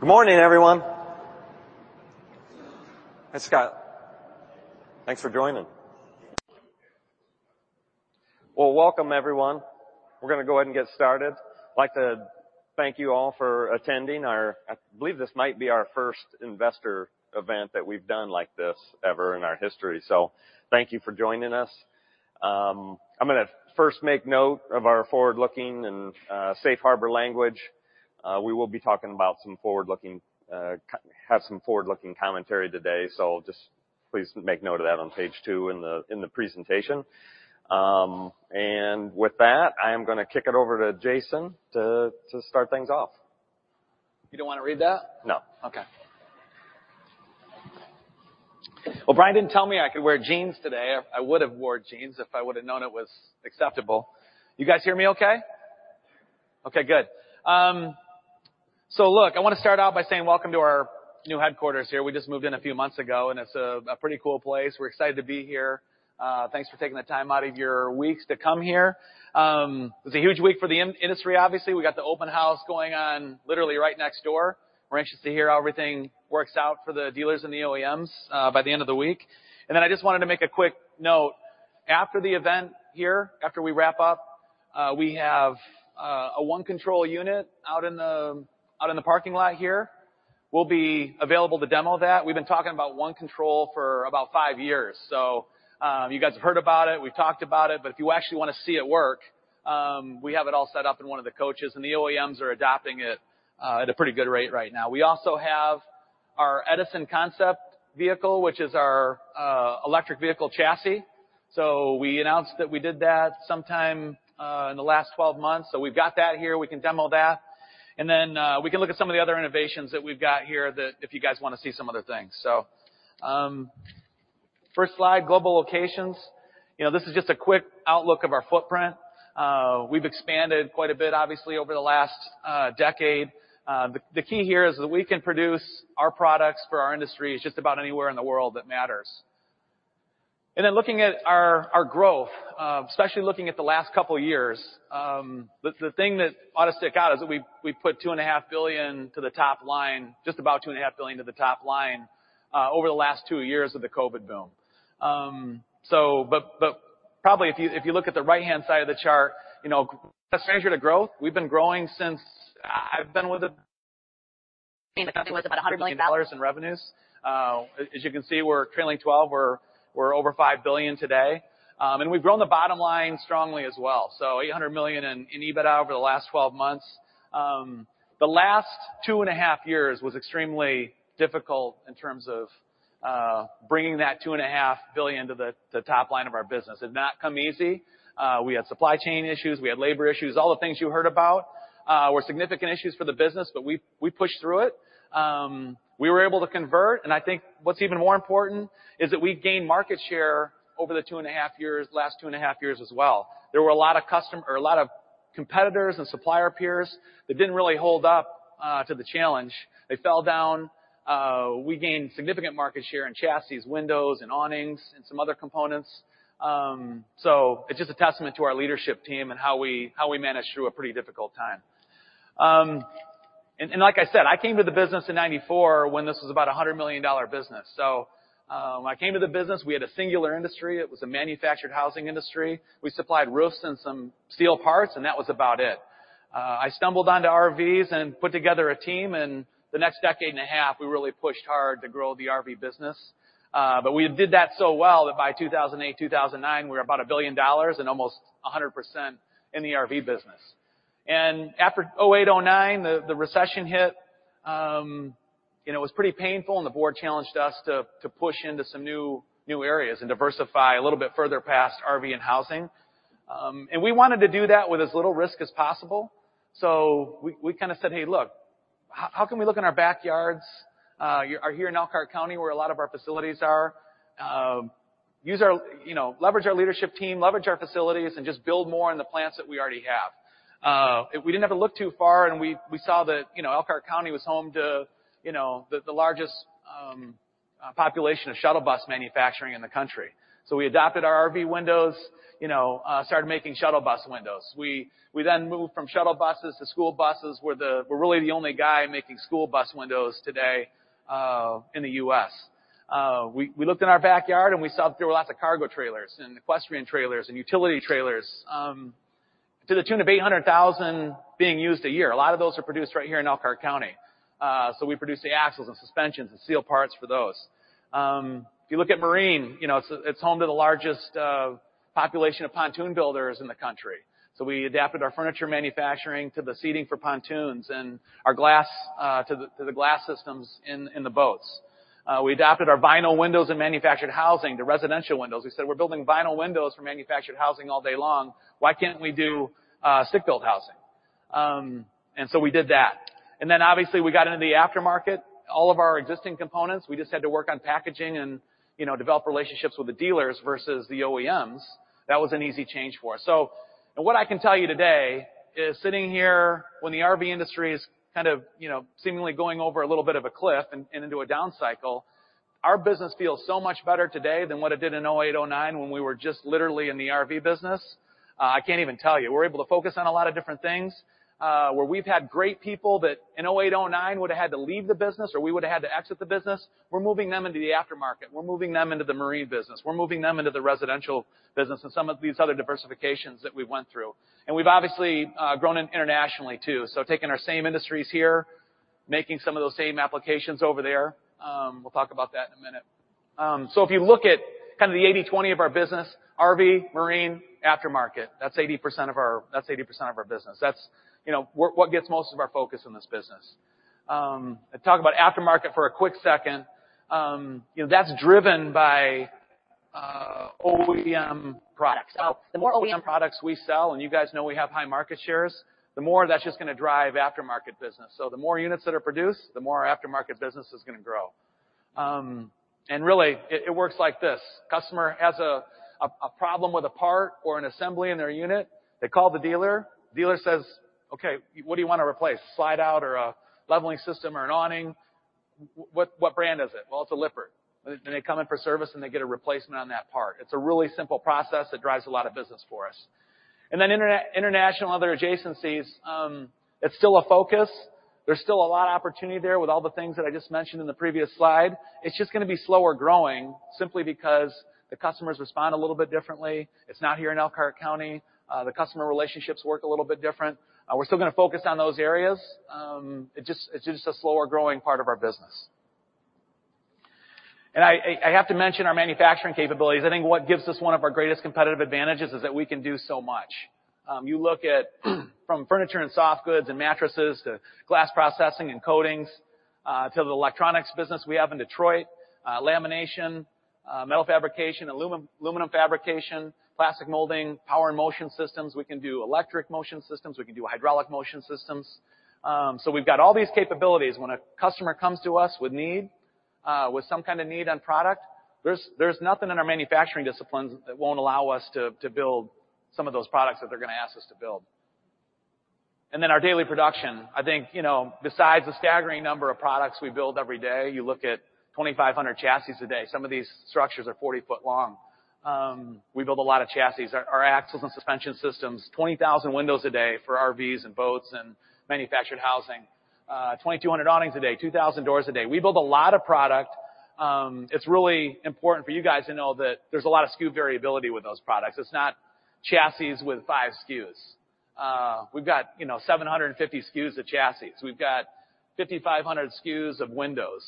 Good morning, everyone. Hi, Scott. Thanks for joining. Well, welcome everyone. We're gonna go ahead and get started. Like to thank you all for attending our, I believe this might be our first investor event that we've done like this ever in our history. So thank you for joining us. I'm gonna first make note of our forward-looking and safe harbor language. We will be talking about some forward-looking have some forward-looking commentary today. So just please make note of that on page 2 in the presentation. With that, I am gonna kick it over to Jason to start things off. You don't wanna read that? No. Okay. Well, Brian didn't tell me I could wear jeans today. I would've wore jeans if I would've known it was acceptable. You guys hear me okay? Okay, good. Look, I wanna start out by saying welcome to our new headquarters here. We just moved in a few months ago, and it's a pretty cool place. We're excited to be here. Thanks for taking the time out of your weeks to come here. It was a huge week for the industry, obviously. We got the open house going on literally right next door. We're anxious to hear how everything works out for the dealers and the OEMs by the end of the week. Then I just wanted to make a quick note. After the event here, after we wrap up, we have a OneControl unit out in the parking lot here. We'll be available to demo that. We've been talking about OneControl for about five years, so you guys have heard about it, we've talked about it, but if you actually wanna see it work, we have it all set up in one of the coaches, and the OEMs are adopting it at a pretty good rate right now. We also have our Edison concept vehicle, which is our electric vehicle chassis. We announced that we did that sometime in the last 12 months. We've got that here, we can demo that. Then we can look at some of the other innovations that we've got here that if you guys wanna see some other things. First slide, global locations. You know, this is just a quick outlook of our footprint. We've expanded quite a bit, obviously, over the last decade. The key here is that we can produce our products for our industry. It's just about anywhere in the world that matters. Looking at our growth, especially looking at the last couple years, the thing that ought to stick out is that we put $2.5 billion to the top line, just about $2.5 billion to the top line, over the last two years of the COVID boom. Probably if you look at the right-hand side of the chart, you know, no stranger to growth, we've been growing since I've been with the company was about $100 million in revenues. As you can see, we're currently twelve. We're over $5 billion today. We've grown the bottom line strongly as well. $800 million in EBITDA over the last 12 months. The last 2.5 years was extremely difficult in terms of bringing that $2.5 billion to the top line of our business. It did not come easy. We had supply chain issues, we had labor issues. All the things you heard about were significant issues for the business, but we pushed through it. We were able to convert, and I think what's even more important is that we gained market share over the two and a half years, last two and a half years as well. There were a lot of competitors and supplier peers that didn't really hold up to the challenge. They fell down. We gained significant market share in chassis, windows, and awnings, and some other components. It's just a testament to our leadership team and how we managed through a pretty difficult time. Like I said, I came to the business in 1994 when this was about a $100 million business. I came to the business, we had a singular industry. It was a manufactured housing industry. We supplied roofs and some steel parts, and that was about it. I stumbled onto RVs and put together a team, and the next decade and a half, we really pushed hard to grow the RV business. We did that so well that by 2008, 2009, we were about $1 billion and almost 100% in the RV business. After 2008, 2009, the recession hit, and it was pretty painful, and the board challenged us to push into some new areas and diversify a little bit further past RV and housing. We wanted to do that with as little risk as possible, so we kinda said, "Hey, look, how can we look in our backyards here in Elkhart County where a lot of our facilities are, use our, you know, leverage our leadership team, leverage our facilities, and just build more in the plants that we already have?" We didn't have to look too far, and we saw that, you know, Elkhart County was home to, you know, the largest population of shuttle bus manufacturing in the country. We adapted our RV windows, you know, started making shuttle bus windows. We then moved from shuttle buses to school buses. We're really the only guy making school bus windows today in the U.S. We looked in our backyard and we saw there were lots of cargo trailers and equestrian trailers and utility trailers to the tune of 800,000 being used a year. A lot of those are produced right here in Elkhart County. So we produce the axles and suspensions and steel parts for those. If you look at marine, you know, it's home to the largest population of pontoon builders in the country. We adapted our furniture manufacturing to the seating for pontoons and our glass to the glass systems in the boats. We adapted our vinyl windows and manufactured housing to residential windows. We said, "We're building vinyl windows for manufactured housing all day long. Why can't we do stick-built housing?" We did that. Obviously, we got into the aftermarket. All of our existing components, we just had to work on packaging and, you know, develop relationships with the dealers versus the OEMs. That was an easy change for us. What I can tell you today is sitting here when the RV industry is kind of, you know, seemingly going over a little bit of a cliff and into a down cycle. Our business feels so much better today than what it did in 2008, 2009 when we were just literally in the RV business. I can't even tell you. We're able to focus on a lot of different things, where we've had great people that in 2008, 2009 would've had to leave the business or we would've had to exit the business. We're moving them into the aftermarket. We're moving them into the marine business. We're moving them into the residential business and some of these other diversifications that we went through. We've obviously grown internationally too. Taking our same industries here, making some of those same applications over there. We'll talk about that in a minute. If you look at kind of the 80/20 of our business, RV, marine, aftermarket, that's 80% of our business. That's, you know, what gets most of our focus in this business. I'll talk about aftermarket for a quick second. You know, that's driven by OEM products. The more OEM products we sell, and you guys know we have high market shares, the more that's just gonna drive aftermarket business. The more units that are produced, the more our aftermarket business is gonna grow. Really, it works like this. Customer has a problem with a part or an assembly in their unit. They call the dealer. Dealer says, "Okay, what do you wanna replace? Slide out or a leveling system or an awning? What brand is it?" "Well, it's a Lippert." They come in for service, and they get a replacement on that part. It's a really simple process that drives a lot of business for us. International other adjacencies, it's still a focus. There's still a lot of opportunity there with all the things that I just mentioned in the previous slide. It's just gonna be slower growing simply because the customers respond a little bit differently. It's not here in Elkhart County. The customer relationships work a little bit different. We're still gonna focus on those areas. It just, it's just a slower growing part of our business. I have to mention our manufacturing capabilities. I think what gives us one of our greatest competitive advantages is that we can do so much. You look at from furniture and soft goods and mattresses to glass processing and coatings, to the electronics business we have in Detroit, lamination, metal fabrication, aluminum fabrication, plastic molding, power and motion systems. We can do electric motion systems. We can do hydraulic motion systems. We've got all these capabilities. When a customer comes to us with need, with some kind of need on product, there's nothing in our manufacturing disciplines that won't allow us to build some of those products that they're gonna ask us to build. Our daily production, I think, you know, besides the staggering number of products we build every day, you look at 2,500 chassis a day. Some of these structures are 40-foot long. We build a lot of chassis. Our axles and suspension systems, 20,000 windows a day for RVs and boats and manufactured housing. 2,200 awnings a day, 2,000 doors a day. We build a lot of product. It's really important for you guys to know that there's a lot of SKU variability with those products. It's not chassis with 5 SKUs. We've got, you know, 750 SKUs of chassis. We've got 5,500 SKUs of windows.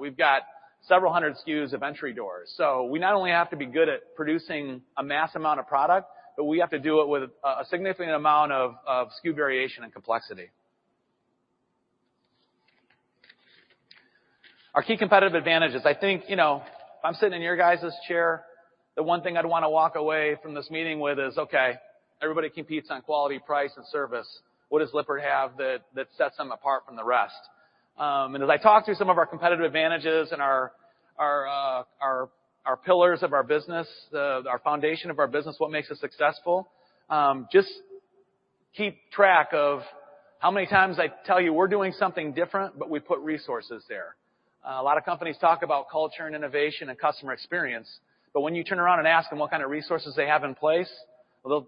We've got several hundred SKUs of entry doors. We not only have to be good at producing a mass amount of product, but we have to do it with a significant amount of SKU variation and complexity. Our key competitive advantages, I think, you know, if I'm sitting in your guys' chair, the one thing I'd wanna walk away from this meeting with is, okay, everybody competes on quality, price, and service. What does Lippert have that sets them apart from the rest? As I talk through some of our competitive advantages and our pillars of our business, our foundation of our business, what makes us successful, just keep track of how many times I tell you we're doing something different, but we put resources there. A lot of companies talk about culture and innovation and customer experience, but when you turn around and ask them what kind of resources they have in place, they'll,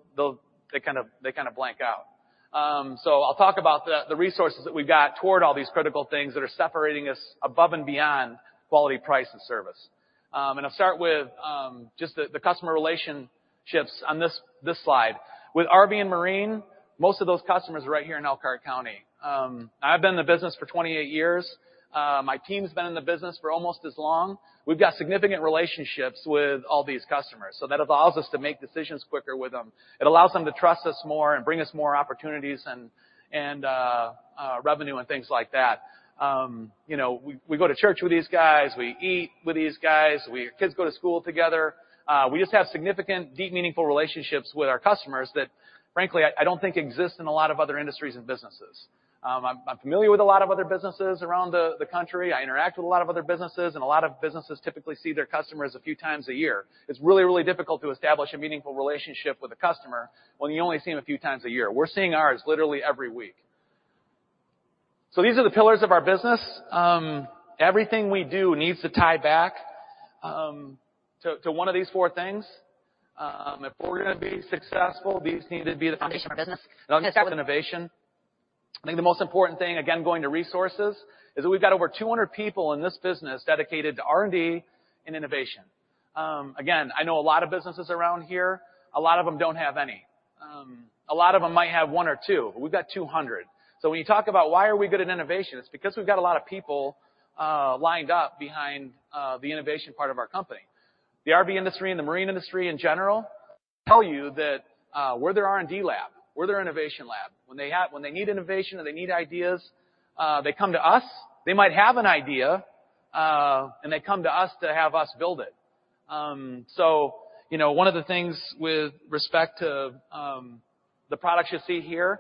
they kind of blank out. I'll talk about the resources that we've got toward all these critical things that are separating us above and beyond quality, price, and service. I'll start with just the customer relationships on this slide. With RV and marine, most of those customers are right here in Elkhart County. I've been in the business for 28 years. My team's been in the business for almost as long. We've got significant relationships with all these customers, so that allows us to make decisions quicker with them. It allows them to trust us more and bring us more opportunities and revenue and things like that. You know, we go to church with these guys. We eat with these guys. Our kids go to school together. We just have significant, deep, meaningful relationships with our customers that frankly I don't think exist in a lot of other industries and businesses. I'm familiar with a lot of other businesses around the country. I interact with a lot of other businesses, and a lot of businesses typically see their customers a few times a year. It's really difficult to establish a meaningful relationship with a customer when you only see them a few times a year. We're seeing ours literally every week. These are the pillars of our business. Everything we do needs to tie back to one of these four things. If we're gonna be successful, these need to be the foundation of business. I'll just start with innovation. I think the most important thing, again, going to resources, is we've got over 200 people in this business dedicated to R&D and innovation. Again, I know a lot of businesses around here. A lot of them don't have any. A lot of them might have one or two. We've got 200. So when you talk about why are we good at innovation, it's because we've got a lot of people lined up behind the innovation part of our company. The RV industry and the marine industry, in general, tell you that we're their R&D lab. We're their innovation lab. When they need innovation or they need ideas, they come to us. They might have an idea, and they come to us to have us build it. You know, one of the things with respect to the products you see here,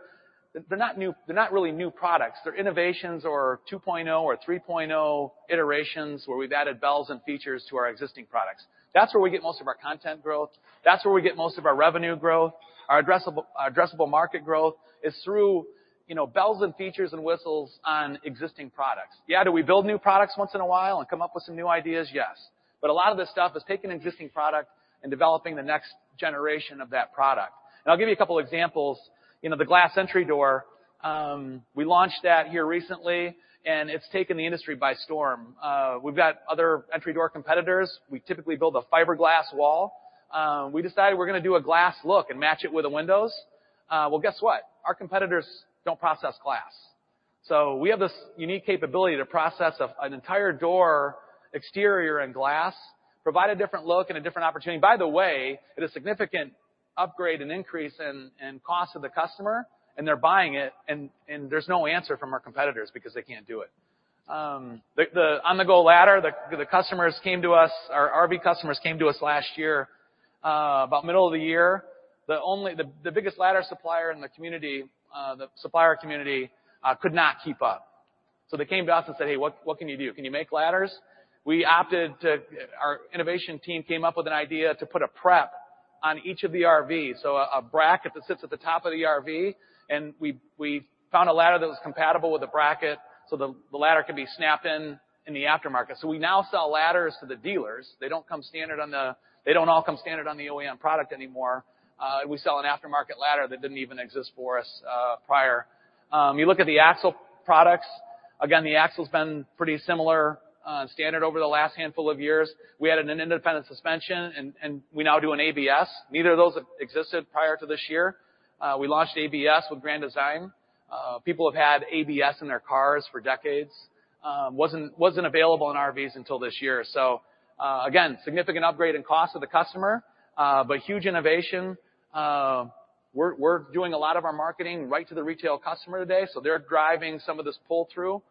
they're not really new products. They're innovations or 2.0 or 3.0 iterations where we've added bells and features to our existing products. That's where we get most of our content growth. That's where we get most of our revenue growth. Our addressable market growth is through, you know, bells and features and whistles on existing products. Yeah, do we build new products once in a while and come up with some new ideas? Yes. A lot of this stuff is taking an existing product and developing the next generation of that product. I'll give you a couple examples. You know, the glass entry door, we launched that here recently, and it's taken the industry by storm. We've got other entry door competitors. We typically build a fiberglass wall. We decided we're gonna do a glass look and match it with the windows. Well, guess what? Our competitors don't process glass. We have this unique capability to process an entire door exterior and glass, provide a different look and a different opportunity. By the way, at a significant upgrade and increase in cost to the customer, and they're buying it, and there's no answer from our competitors because they can't do it. The On-The-Go ladder. Our RV customers came to us last year, about middle of the year. The biggest ladder supplier in the supplier community could not keep up. They came to us and said, "Hey, what can you do? Can you make ladders?" Our innovation team came up with an idea to put a prep on each of the RVs, so a bracket that sits at the top of the RV, and we found a ladder that was compatible with the bracket, so the ladder can be snapped in the aftermarket. We now sell ladders to the dealers. They don't all come standard on the OEM product anymore. We sell an aftermarket ladder that didn't even exist for us prior. You look at the axle products. Again, the axle's been pretty similar standard over the last handful of years. We added an independent suspension, and we now do an ABS. Neither of those have existed prior to this year. We launched ABS with Grand Design. People have had ABS in their cars for decades. Wasn't available in RVs until this year. Again, significant upgrade in cost to the customer, but huge innovation. We're doing a lot of our marketing right to the retail customer today, so they're driving some of this pull-through.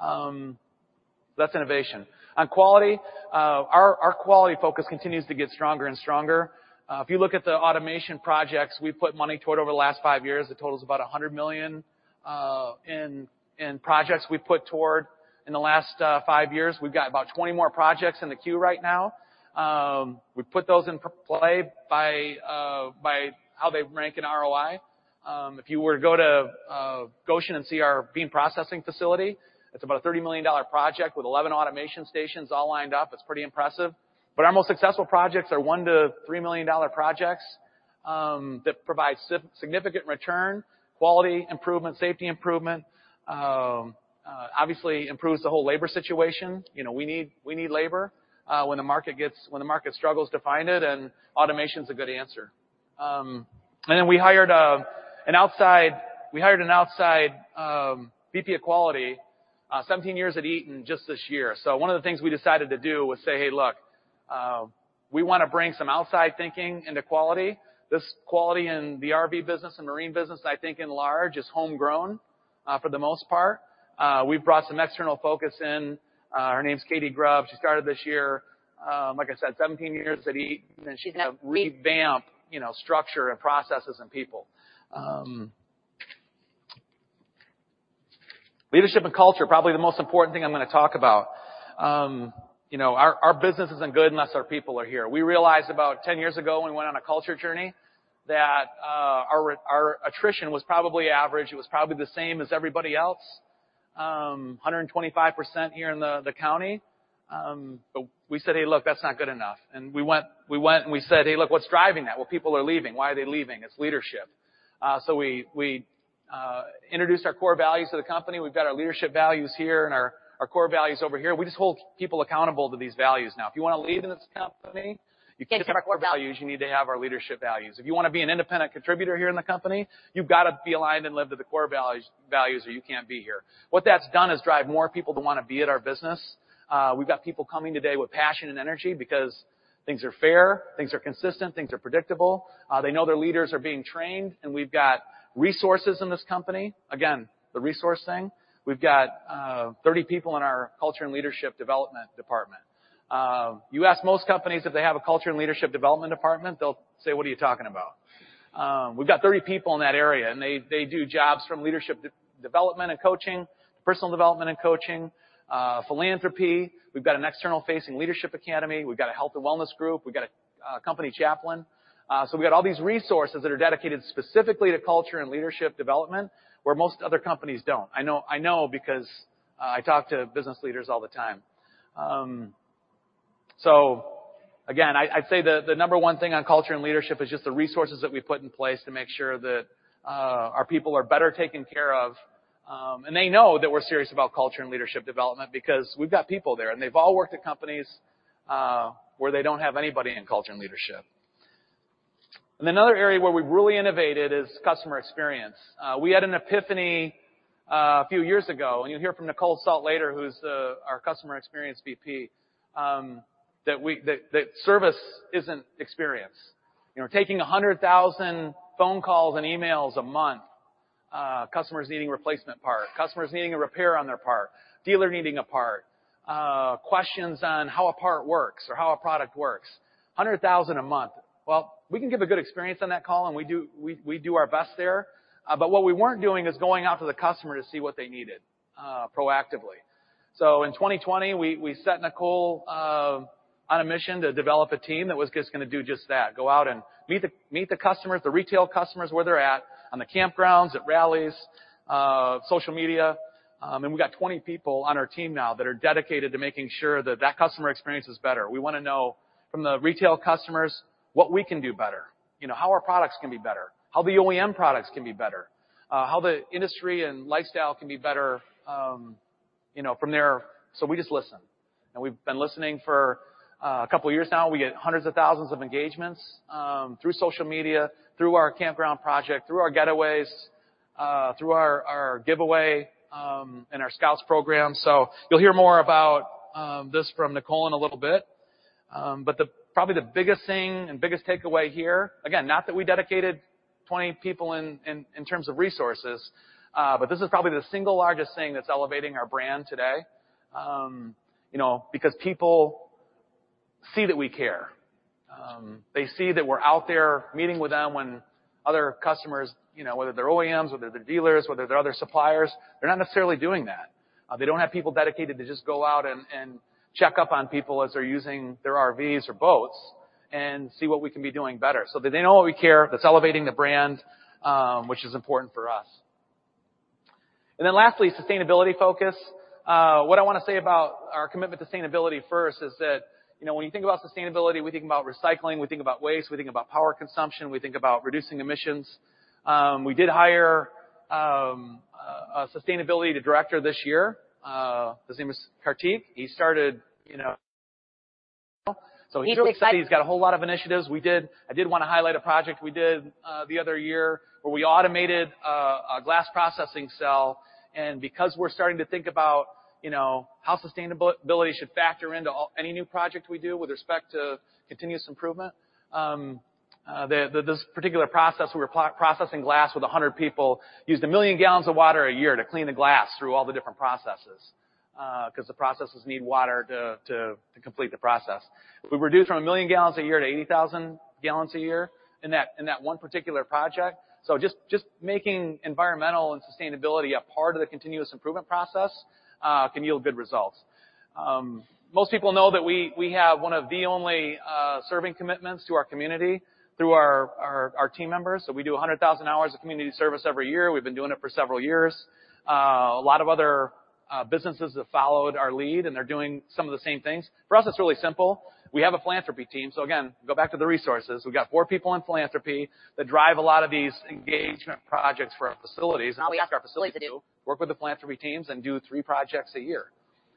That's innovation. On quality, our quality focus continues to get stronger and stronger. If you look at the automation projects we've put money toward over the last five years, it totals about $100 million in projects we've put toward in the last five years. We've got about 20 more projects in the queue right now. We put those in play by how they rank in ROI. If you were to go to Goshen and see our beam processing facility, it's about a $30 million project with 11 automation stations all lined up. It's pretty impressive. Our most successful projects are $1 million-$3 million projects that provide significant return, quality improvement, safety improvement. Obviously improves the whole labor situation. You know, we need labor when the market struggles to find it, and automation's a good answer. We hired an outside VP of quality, 17 years at Eaton just this year. One of the things we decided to do was say, "Hey, look, we wanna bring some outside thinking into quality." This quality in the RV business and marine business, I think in large part is homegrown, for the most part. We've brought some external focus in. Her name's Catie Grubb. She started this year. Like I said, 17 years at Eaton, and she's gonna revamp, you know, structure and processes and people. Leadership and culture, probably the most important thing I'm gonna talk about. You know, our business isn't good unless our people are here. We realized about 10 years ago when we went on a culture journey that, our attrition was probably average. It was probably the same as everybody else. 125% here in the county. We said, "Hey, look, that's not good enough." We went, and we said, "Hey, look, what's driving that? Well, people are leaving. Why are they leaving? It's leadership." We introduced our core values to the company. We've got our leadership values here and our core values over here. We just hold people accountable to these values now. If you wanna lead in this company, you need to have our core values. You need to have our leadership values. If you wanna be an independent contributor here in the company, you've gotta be aligned and live to the core values or you can't be here. What that's done is drive more people to wanna be at our business. We've got people coming today with passion and energy because things are fair, things are consistent, things are predictable. They know their leaders are being trained, and we've got resources in this company. Again, the resource thing. We've got 30 people in our culture and leadership development department. You ask most companies if they have a culture and leadership development department, they'll say, "What are you talking about?" We've got 30 people in that area, and they do jobs from leadership development and coaching, personal development and coaching, philanthropy. We've got an external facing leadership academy. We've got a health and wellness group. We've got a company chaplain. We've got all these resources that are dedicated specifically to culture and leadership development where most other companies don't. I know because I talk to business leaders all the time. So again, I'd say the number one thing on culture and leadership is just the resources that we've put in place to make sure that our people are better taken care of. They know that we're serious about culture and leadership development because we've got people there, and they've all worked at companies where they don't have anybody in culture and leadership. Another area where we've really innovated is customer experience. We had an epiphany a few years ago, and you'll hear from Nicole Sult later, who's our customer experience VP, that service isn't experience. You know, taking 100,000 phone calls and emails a month, customers needing replacement part, customers needing a repair on their part, dealer needing a part, questions on how a part works or how a product works. 100,000 a month. Well, we can give a good experience on that call, and we do our best there. What we weren't doing is going out to the customer to see what they needed proactively. In 2020, we sent Nicole on a mission to develop a team that was just gonna do just that, go out and meet the customers, the retail customers where they're at, on the campgrounds, at rallies, social media. We got 20 people on our team now that are dedicated to making sure that that customer experience is better. We wanna know from the retail customers what we can do better, you know, how our products can be better, how the OEM products can be better, how the industry and lifestyle can be better, you know, from there. We just listen. We've been listening for a couple of years now. We get hundreds of thousands of engagements through social media, through our campground project, through our getaways, through our giveaway, and our Scouts program. You'll hear more about this from Nicole in a little bit. Probably the biggest thing and biggest takeaway here, again, not that we dedicated 20 people in terms of resources, but this is probably the single largest thing that's elevating our brand today. You know, because people see that we care. They see that we're out there meeting with them when other customers, you know, whether they're OEMs, whether they're dealers, whether they're other suppliers, they're not necessarily doing that. They don't have people dedicated to just go out and check up on people as they're using their RVs or boats and see what we can be doing better. They know we care, that's elevating the brand, which is important for us. Then lastly, sustainability focus. What I wanna say about our commitment to sustainability first is that, you know, when you think about sustainability, we think about recycling, we think about waste, we think about power consumption, we think about reducing emissions. We did hire a sustainability director this year. His name is Kartik. He started, you know, so he's excited. He's got a whole lot of initiatives. I did wanna highlight a project we did the other year, where we automated a glass processing cell. Because we're starting to think about, you know, how sustainability should factor into any new project we do with respect to continuous improvement, this particular process, we were processing glass with 100 people, used 1 million gallons of water a year to clean the glass through all the different processes, 'cause the processes need water to complete the process. We reduced from 1 million gallons a year to 80,000 gallons a year in that one particular project. Just making environmental and sustainability a part of the continuous improvement process can yield good results. Most people know that we have one of the only serving commitments to our community through our team members. We do 100,000 hours of community service every year. We've been doing it for several years. A lot of other businesses have followed our lead, and they're doing some of the same things. For us, it's really simple. We have a philanthropy team. Again, go back to the resources. We've got four people in philanthropy that drive a lot of these engagement projects for our facilities. All we ask our facilities to do, work with the philanthropy teams and do three projects a year.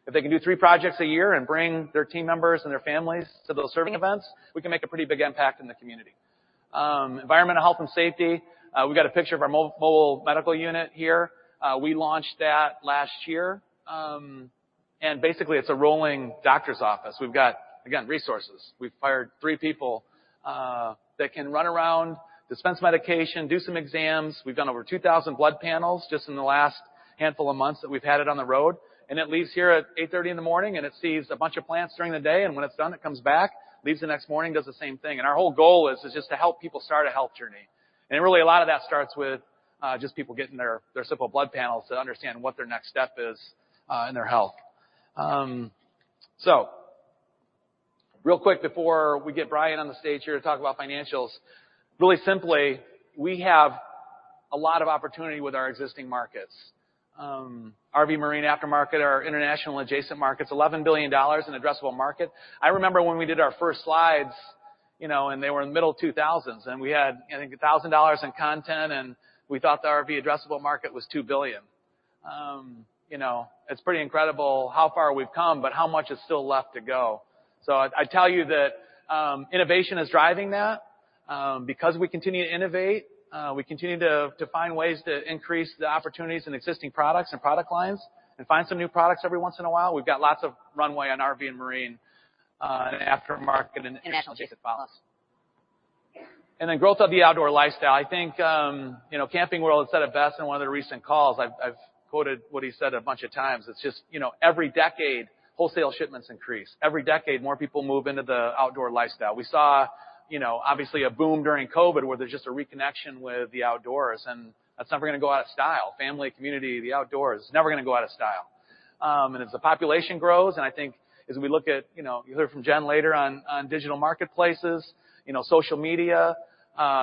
If they can do three projects a year and bring their team members and their families to those serving events, we can make a pretty big impact in the community. Environmental health and safety. We've got a picture of our mobile medical unit here. We launched that last year, and basically, it's a rolling doctor's office. We've got, again, resources. We've hired three people that can run around, dispense medication, do some exams. We've done over 2,000 blood panels just in the last handful of months that we've had it on the road. It leaves here at 8:30 A.M., and it sees a bunch of patients during the day, and when it's done, it comes back, leaves the next morning, does the same thing. Our whole goal is just to help people start a health journey. Really, a lot of that starts with just people getting their simple blood panels to understand what their next step is in their health. Real quick, before we get Brian on the stage here to talk about financials. Really simply, we have a lot of opportunity with our existing markets. RV, marine, aftermarket, our international adjacent markets, $11 billion in addressable market. I remember when we did our first slides, you know, and they were in the middle of 2000s, and we had, I think, $1,000 in content, and we thought the RV addressable market was $2 billion. You know, it's pretty incredible how far we've come, but how much is still left to go. I tell you that innovation is driving that. Because we continue to innovate, we continue to find ways to increase the opportunities in existing products and product lines and find some new products every once in a while. We've got lots of runway on RV and marine, and aftermarket and adjacent products. Then growth of the outdoor lifestyle. I think, you know, Camping World said it best in one of the recent calls. I've quoted what he said a bunch of times. It's just, you know, every decade, wholesale shipments increase. Every decade, more people move into the outdoor lifestyle. We saw, you know, obviously a boom during COVID, where there's just a reconnection with the outdoors, and that's never gonna go out of style. Family, community, the outdoors, it's never gonna go out of style. As the population grows, and I think as we look at, you know, you'll hear from Jen later on digital marketplaces, you know, social media,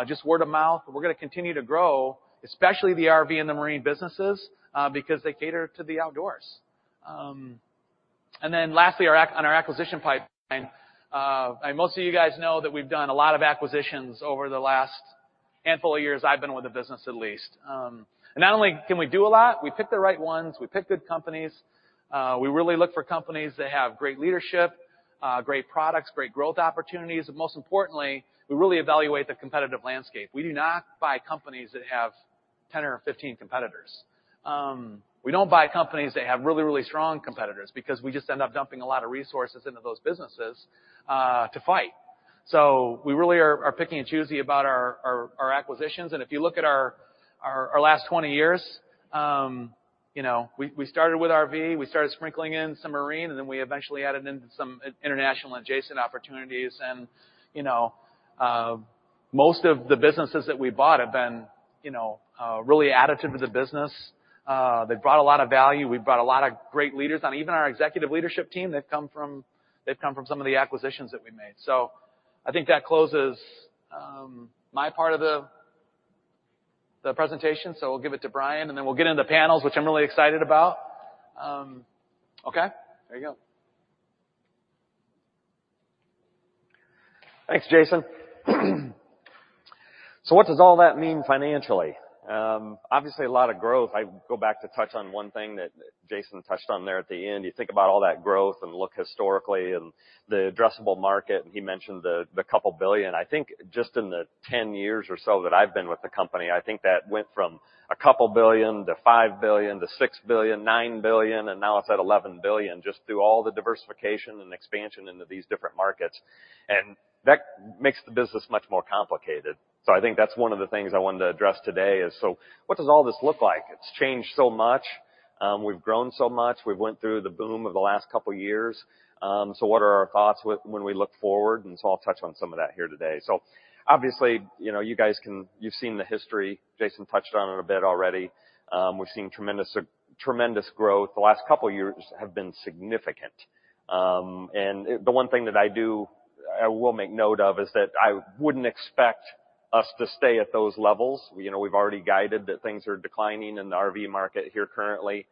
just word of mouth, we're gonna continue to grow, especially the RV and the marine businesses, because they cater to the outdoors. Lastly, on our acquisition pipeline. Most of you guys know that we've done a lot of acquisitions over the last handful of years I've been with the business at least. Not only can we do a lot, we pick the right ones, we pick good companies. We really look for companies that have great leadership, great products, great growth opportunities, but most importantly, we really evaluate the competitive landscape. We do not buy companies that have 10 or 15 competitors. We don't buy companies that have really, really strong competitors because we just end up dumping a lot of resources into those businesses to fight. We really are picking and choosing about our acquisitions. If you look at our last 20 years, you know, we started with RV, sprinkling in some marine, and then we eventually added in some international adjacent opportunities. You know, most of the businesses that we bought have been, you know, really additive to the business. They've brought a lot of value. We've brought a lot of great leaders on. Even our executive leadership team, they've come from some of the acquisitions that we made. I think that closes my part of the presentation. We'll give it to Brian, and then we'll get into panels, which I'm really excited about. Okay. There you go. Thanks, Jason. What does all that mean financially? Obviously a lot of growth. I go back to touch on one thing that Jason touched on there at the end. You think about all that growth and look historically and the addressable market, and he mentioned the couple billion. I think just in the 10 years or so that I've been with the company, I think that went from a couple billion to $5 billion to $6 billion, $9 billion, and now it's at $11 billion, just through all the diversification and expansion into these different markets. That makes the business much more complicated. I think that's one of the things I wanted to address today is, what does all this look like? It's changed so much. We've grown so much. We went through the boom of the last couple of years. What are our thoughts when we look forward? I'll touch on some of that here today. Obviously, you know, you guys can you've seen the history. Jason touched on it a bit already. We've seen tremendous growth. The last couple of years have been significant. The one thing that I will make note of is that I wouldn't expect us to stay at those levels. You know, we've already guided that things are declining in the RV market here currently.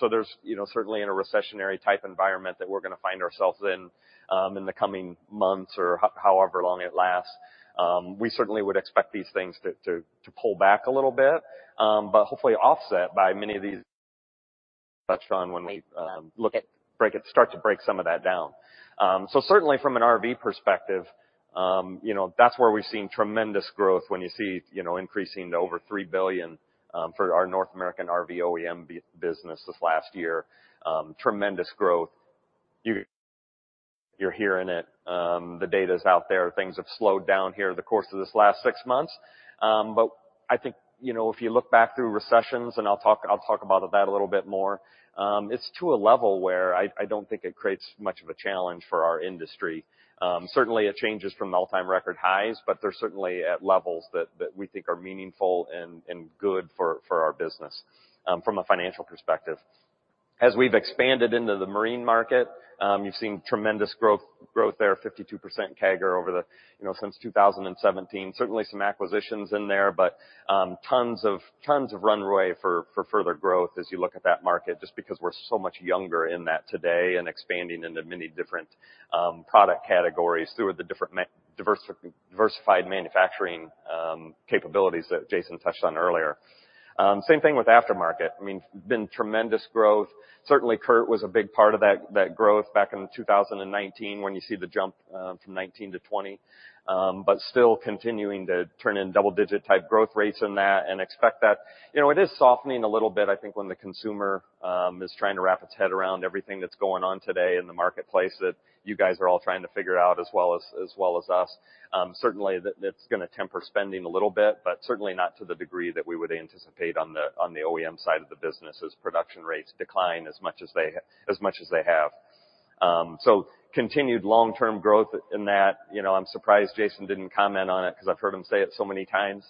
There's, you know, certainly in a recessionary type environment that we're gonna find ourselves in the coming months or however long it lasts. We certainly would expect these things to pull back a little bit, but hopefully offset by many of these touched on when we start to break some of that down. Certainly from an RV perspective, you know, that's where we've seen tremendous growth when you see, you know, increasing to over $3 billion for our North American RV OEM business this last year. Tremendous growth. You're hearing it. The data is out there. Things have slowed down over the course of this last 6 months. I think, you know, if you look back through recessions, and I'll talk about that a little bit more, it's to a level where I don't think it creates much of a challenge for our industry. Certainly, it changes from all-time record highs, but they're certainly at levels that we think are meaningful and good for our business from a financial perspective. As we've expanded into the marine market, you've seen tremendous growth there, 52% CAGR over the you know since 2017. Certainly some acquisitions in there, but tons of runway for further growth as you look at that market, just because we're so much younger in that today and expanding into many different product categories through the different diversified manufacturing capabilities that Jason touched on earlier. Same thing with aftermarket. I mean, been tremendous growth. Certainly, CURT was a big part of that growth back in 2019 when you see the jump from 2019 to 2020. Still continuing to turn in double-digit type growth rates in that and expect that. You know, it is softening a little bit, I think, when the consumer is trying to wrap its head around everything that's going on today in the marketplace that you guys are all trying to figure out as well as us. Certainly that it's gonna temper spending a little bit, but certainly not to the degree that we would anticipate on the OEM side of the business as production rates decline as much as they have. Continued long-term growth in that. You know, I'm surprised Jason didn't comment on it because I've heard him say it so many times.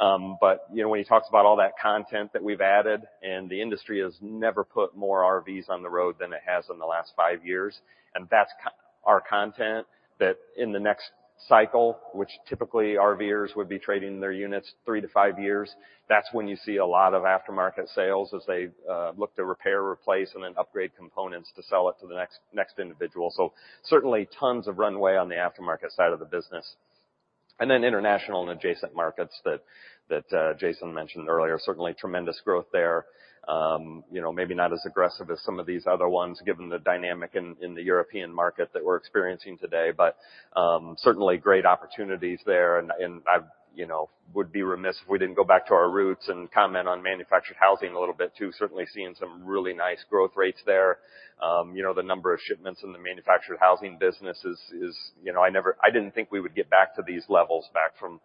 You know, when he talks about all that content that we've added, and the industry has never put more RVs on the road than it has in the last 5 years. That's our content that in the next cycle, which typically RVers would be trading their units 3-5 years, that's when you see a lot of aftermarket sales as they look to repair, replace, and then upgrade components to sell it to the next individual. Certainly tons of runway on the aftermarket side of the business. Then international and adjacent markets that Jason mentioned earlier, certainly tremendous growth there. You know, maybe not as aggressive as some of these other ones, given the dynamic in the European market that we're experiencing today. Certainly great opportunities there. I, you know, would be remiss if we didn't go back to our roots and comment on manufactured housing a little bit too. Certainly seeing some really nice growth rates there. You know, the number of shipments in the manufactured housing business is, you know, I didn't think we would get back to these levels back from,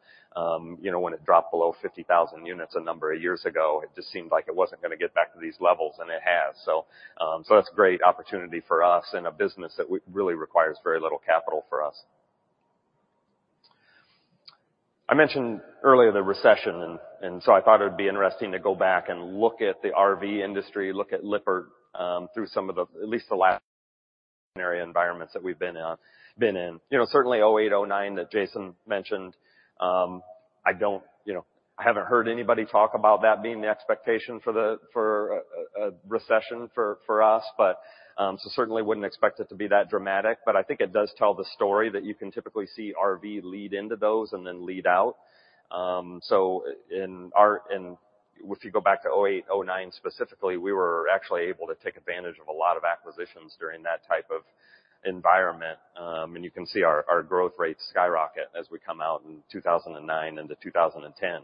you know, when it dropped below 50,000 units a number of years ago. It just seemed like it wasn't gonna get back to these levels, and it has. That's great opportunity for us and a business that we really requires very little capital fo r us. I mentioned earlier the recession. I thought it would be interesting to go back and look at the RV industry, look at Lippert, through some of the at least the last environments that we've been in. You know, certainly 2008, 2009 that Jason mentioned. I don't, you know, I haven't heard anybody talk about that being the expectation for a recession for us. Certainly wouldn't expect it to be that dramatic. I think it does tell the story that you can typically see RV lead into those and then lead out. If you go back to 2008, 2009 specifically, we were actually able to take advantage of a lot of acquisitions during that type of environment. You can see our growth rates skyrocket as we come out in 2009 into 2010.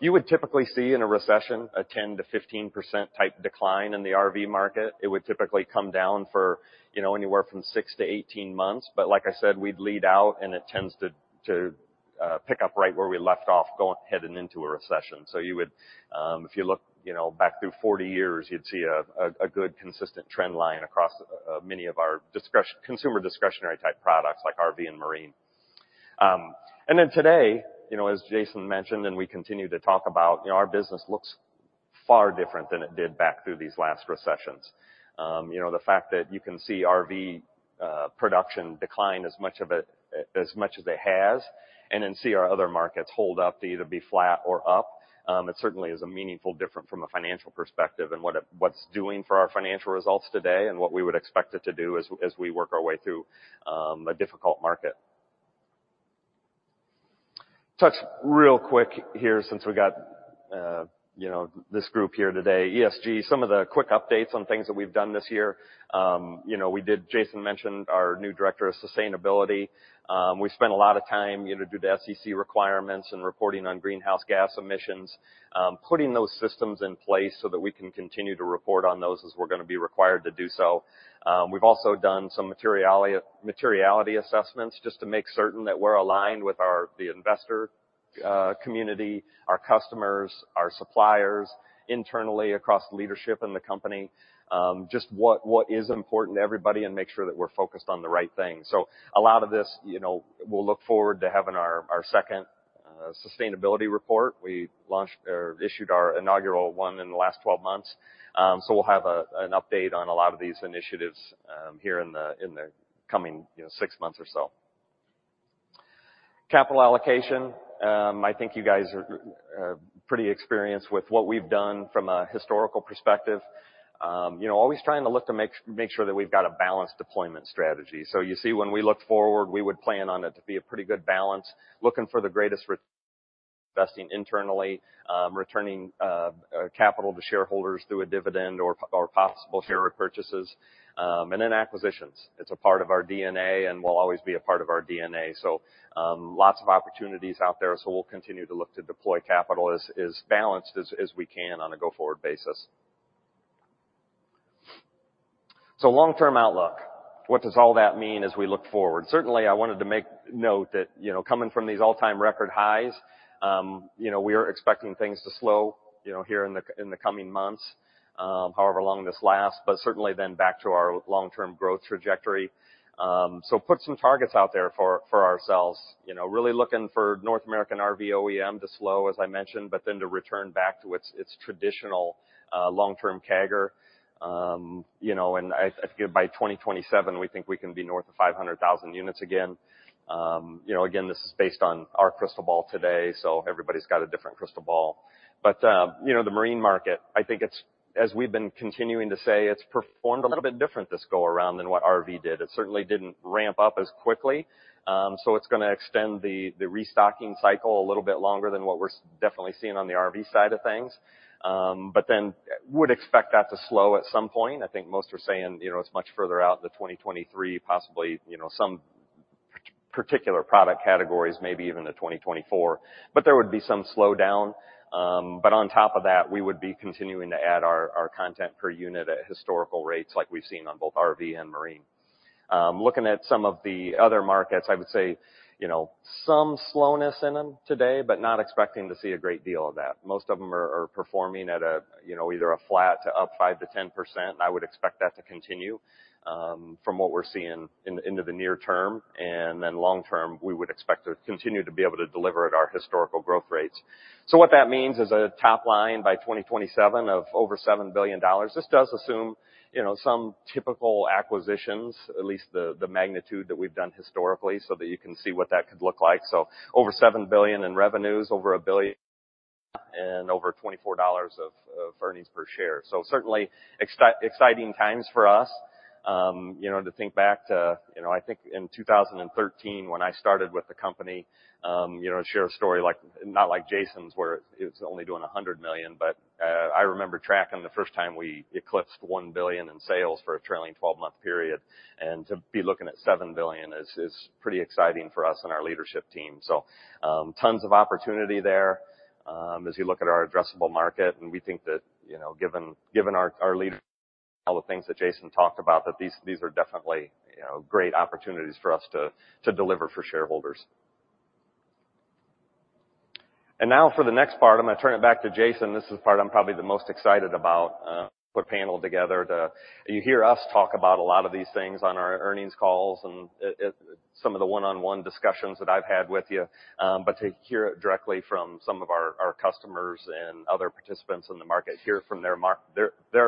You would typically see in a recession a 10%-15% type decline in the RV market. It would typically come down for, you know, anywhere from 6-18 months. Like I said, we'd lead out, and it tends to pick up right where we left off heading into a recession. You would, if you look, you know, back through 40 years, you'd see a good consistent trend line across many of our consumer discretionary type products like RV and Marine. Then today, you know, as Jason mentioned, and we continue to talk about, you know, our business looks far different than it did back through these last recessions. You know, the fact that you can see RV production decline as much as it has and then see our other markets hold up to either be flat or up, it certainly is a meaningful difference from a financial perspective and what it's doing for our financial results today and what we would expect it to do as we work our way through a difficult market. To touch real quick here since we got, you know, this group here today. ESG, some of the quick updates on things that we've done this year. You know, we did. Jason mentioned our new director of sustainability. We spent a lot of time, you know, to do the SEC requirements and reporting on greenhouse gas emissions, putting those systems in place so that we can continue to report on those as we're gonna be required to do so. We've also done some materiality assessments just to make certain that we're aligned with our investor community, our customers, our suppliers internally across leadership in the company, just what is important to everybody and make sure that we're focused on the right things. A lot of this, you know, we'll look forward to having our second sustainability report. We launched or issued our inaugural one in the last 12 months. We'll have an update on a lot of these initiatives here in the coming, you know, 6 months or so. Capital allocation, I think you guys are pretty experienced with what we've done from a historical perspective. You know, always trying to look to make sure that we've got a balanced deployment strategy. You see, when we look forward, we would plan on it to be a pretty good balance, looking for the greatest return, investing internally, returning capital to shareholders through a dividend or possible share repurchases, and then acquisitions. It's a part of our DNA and will always be a part of our DNA. Lots of opportunities out there. We'll continue to look to deploy capital as balanced as we can on a go-forward basis. Long-term outlook, what does all that mean as we look forward? Certainly, I wanted to make note that, you know, coming from these all-time record highs, you know, we are expecting things to slow, you know, here in the coming months, however long this lasts, but certainly then back to our long-term growth trajectory. Put some targets out there for ourselves. You know, really looking for North American RV OEM to slow, as I mentioned, but then to return back to its traditional long-term CAGR. You know, I think by 2027, we think we can be north of 500,000 units again. You know, again, this is based on our crystal ball today, so everybody's got a different crystal ball. You know, the marine market, I think it's as we've been continuing to say, it's performed a little bit different this go around than what RV did. It certainly didn't ramp up as quickly. So it's gonna extend the restocking cycle a little bit longer than what we're definitely seeing on the RV side of things. Then would expect that to slow at some point. I think most are saying, you know, it's much further out into 2023, possibly, you know, some particular product categories, maybe even to 2024. There would be some slowdown. On top of that, we would be continuing to add our content per unit at historical rates like we've seen on both RV and marine. Looking at some of the other markets, I would say, you know, some slowness in them today, but not expecting to see a great deal of that. Most of them are performing at, you know, either a flat to up 5%-10%. I would expect that to continue from what we're seeing into the near term. Long term, we would expect to continue to be able to deliver at our historical growth rates. What that means is a top line by 2027 of over $7 billion. This does assume, you know, some typical acquisitions, at least the magnitude that we've done historically, so that you can see what that could look like. Over $7 billion in revenues, over $1 billion in EBITDA, and over $24 of earnings per share. Certainly exciting times for us. You know, to think back to, you know, I think in 2013 when I started with the company, you know, to share a story like not like Jason's, where it's only doing $100 million, but I remember tracking the first time we eclipsed $1 billion in sales for a trailing twelve-month period. To be looking at $7 billion is pretty exciting for us and our leadership team. Tons of opportunity there, as you look at our addressable market, and we think that, you know, given our leadership and all the things that Jason talked about, that these are definitely, you know, great opportunities for us to deliver for shareholders. Now for the next part, I'm gonna turn it back to Jason. This is the part I'm probably the most excited about. Put a panel together. You hear us talk about a lot of these things on our earnings calls and some of the one-on-one discussions that I've had with you. But to hear it directly from some of our customers and other participants in the market, hear it from their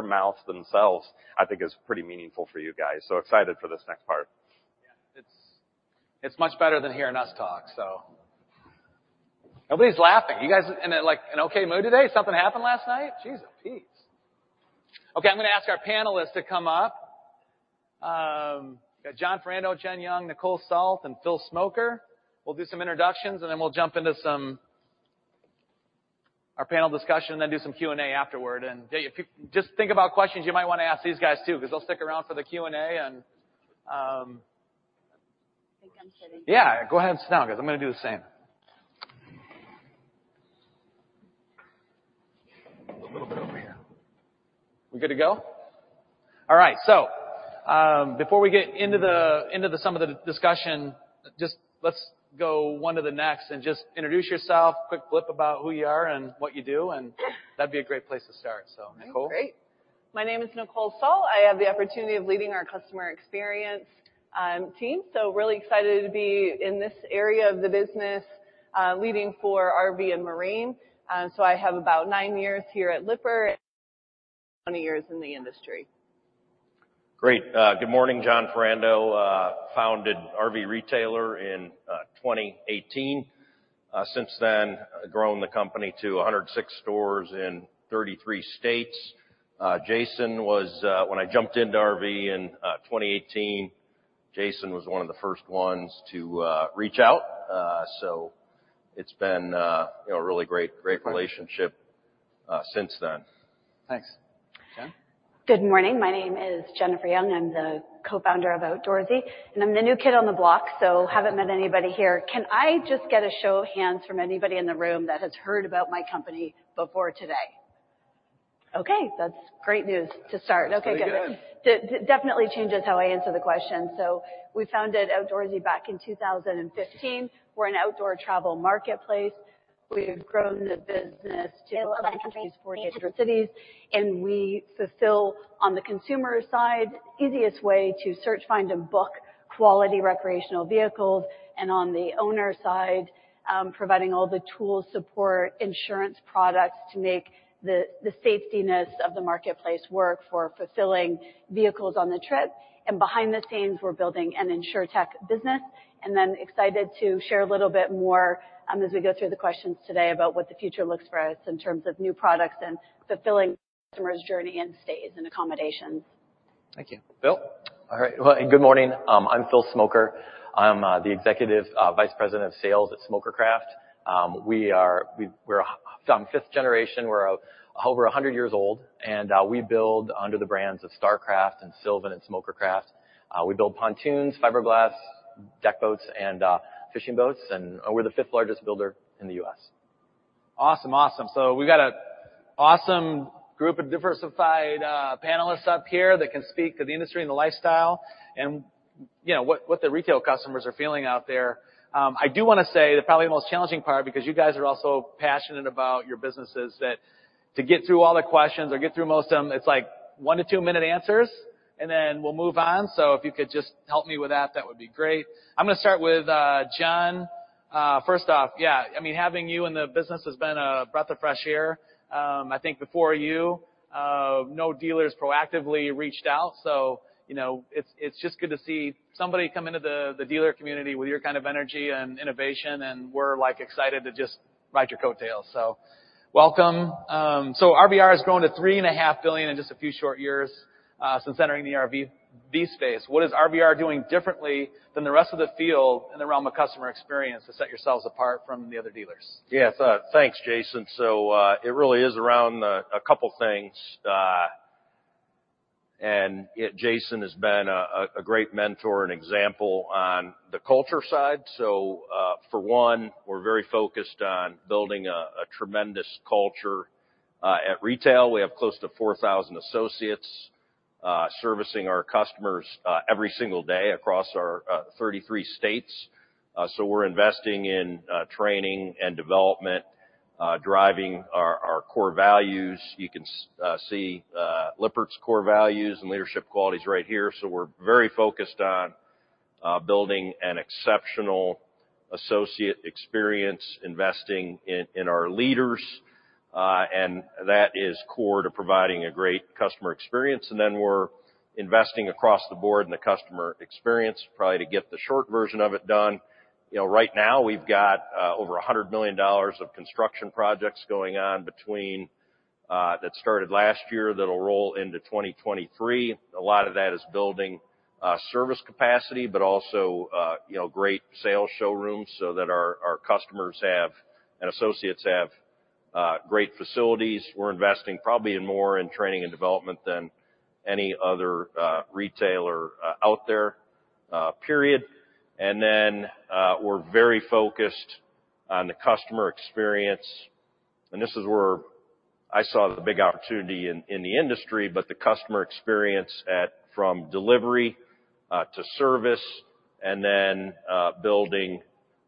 mouth themselves, I think is pretty meaningful for you guys. Excited for this next part. Yeah. It's much better than hearing us talk, so. Nobody's laughing. You guys in a, like, an okay mood today? Something happened last night? Jeez, Louise. Okay, I'm gonna ask our panelists to come up. Got Jon Ferrando, Jennifer Young, Nicole Sult, and Phil Smoker. We'll do some introductions, and then we'll jump into some our panel discussion, then do some Q&A afterward. Yeah, if you just think about questions you might wanna ask these guys, too, 'cause they'll stick around for the Q&A and, I think I'm sitting. Yeah, go ahead and sit down, guys. I'm gonna do the same. A little bit over here. We good to go? All right. Before we get into some of the discussion, just let's go one to the next and just introduce yourself. Quick blip about who you are and what you do, and that'd be a great place to start. Nicole. Great. My name is Nicole Sult. I have t he opportunity of leading our customer experience team. Really excited to be in this area of the business, leading for RV and marine. I have about 9 years here at Lippert, 20 years in the industry. Great. Good morning. Jon Ferrando founded RV Retailer in 2018. Since then, grown the company to 106 stores in 33 states. Jason was, when I jumped into RV in 2018, Jason was one of the first ones to reach out. It's been, you know, a really great relationship since then. Thanks, Jen. Good morning. My name is Jennifer Young. I'm the co-founder of Outdoorsy, and I'm the new kid on the block, so haven't met anybody here. Can I just get a show of hands from anybody in the room that has heard about my company before today? Okay, that's great news to start. That's pretty good. Okay, good. That definitely changes how I answer the question. We founded Outdoorsy back in 2015. We're an outdoor travel marketplace. We've grown the business to 11 countries, 4 different cities, and we fulfill on the consumer side, easiest way to search, find, and book quality recreational vehicles, and on the owner side, providing all the tools, support, insurance products to make the safety of the marketplace work for fulfilling vehicles on the trip. Behind the scenes, we're building an InsurTech business and we're excited to share a little bit more, as we go through the questions today about what the future looks like for us in terms of new products and fulfilling customers' journey in stays and accommodations. Thank you. Phil? All right. Well, good morning. I'm Phil Smoker. I'm the Executive Vice President of Sales at Smoker Craft. We're fifth generation. We're over 100 years old, and we build under the brands of Starcraft and Sylvan and Smoker Craft. We build pontoons, fiberglass, deck boats, and fishing boats, and we're the fifth largest builder in the U.S. Awesome. We got an awesome group of diversified panelists up here that can speak to the industry and the lifestyle and, you know, what the retail customers are feeling out there. I do wanna say that probably the most challenging part, because you guys are all so passionate about your businesses that to get through all the questions or get through most of them, it's like 1-2-minute answers, and then we'll move on. If you could just help me with that would be great. I'm gonna start with Jon. First off, yeah, I mean, having you in the business has been a breath of fresh air. I think before you, no dealers proactively reached out, so you know, it's just good to see somebody come into the dealer community with your kind of energy and innovation, and we're like excited to just ride your coattails. Welcome. RVR has grown to $3.5 billion in just a few short years since entering the RV space. What is RVR doing differently than the rest of the field in the realm of customer experience to set yourselves apart from the other dealers? Yeah. Thanks, Jason. It really is around a couple things. Jason has been a great mentor and example on the culture side. For one, we're very focused on building a tremendous culture. At retail, we have close to 4,000 associates servicing our customers every single day across our 33 states. We're investing in training and development, driving our core values. You can see Lippert's core values and leadership qualities right here. We're very focused on building an exceptional associate experience, investing in our leaders, and that is core to providing a great customer experience. We're investing across the board in the customer experience, probably to get the short version of it done. You know, right now we've got over $100 million of construction projects going on between that started last year, that'll roll into 2023. A lot of that is building service capacity, but also you know, great sales showrooms so that our customers have and associates have great facilities. We're investing probably more in training and development than any other retailer out there, period. We're very focused on the customer experience, and this is where I saw the big opportunity in the industry, but the customer experience from delivery to service and then building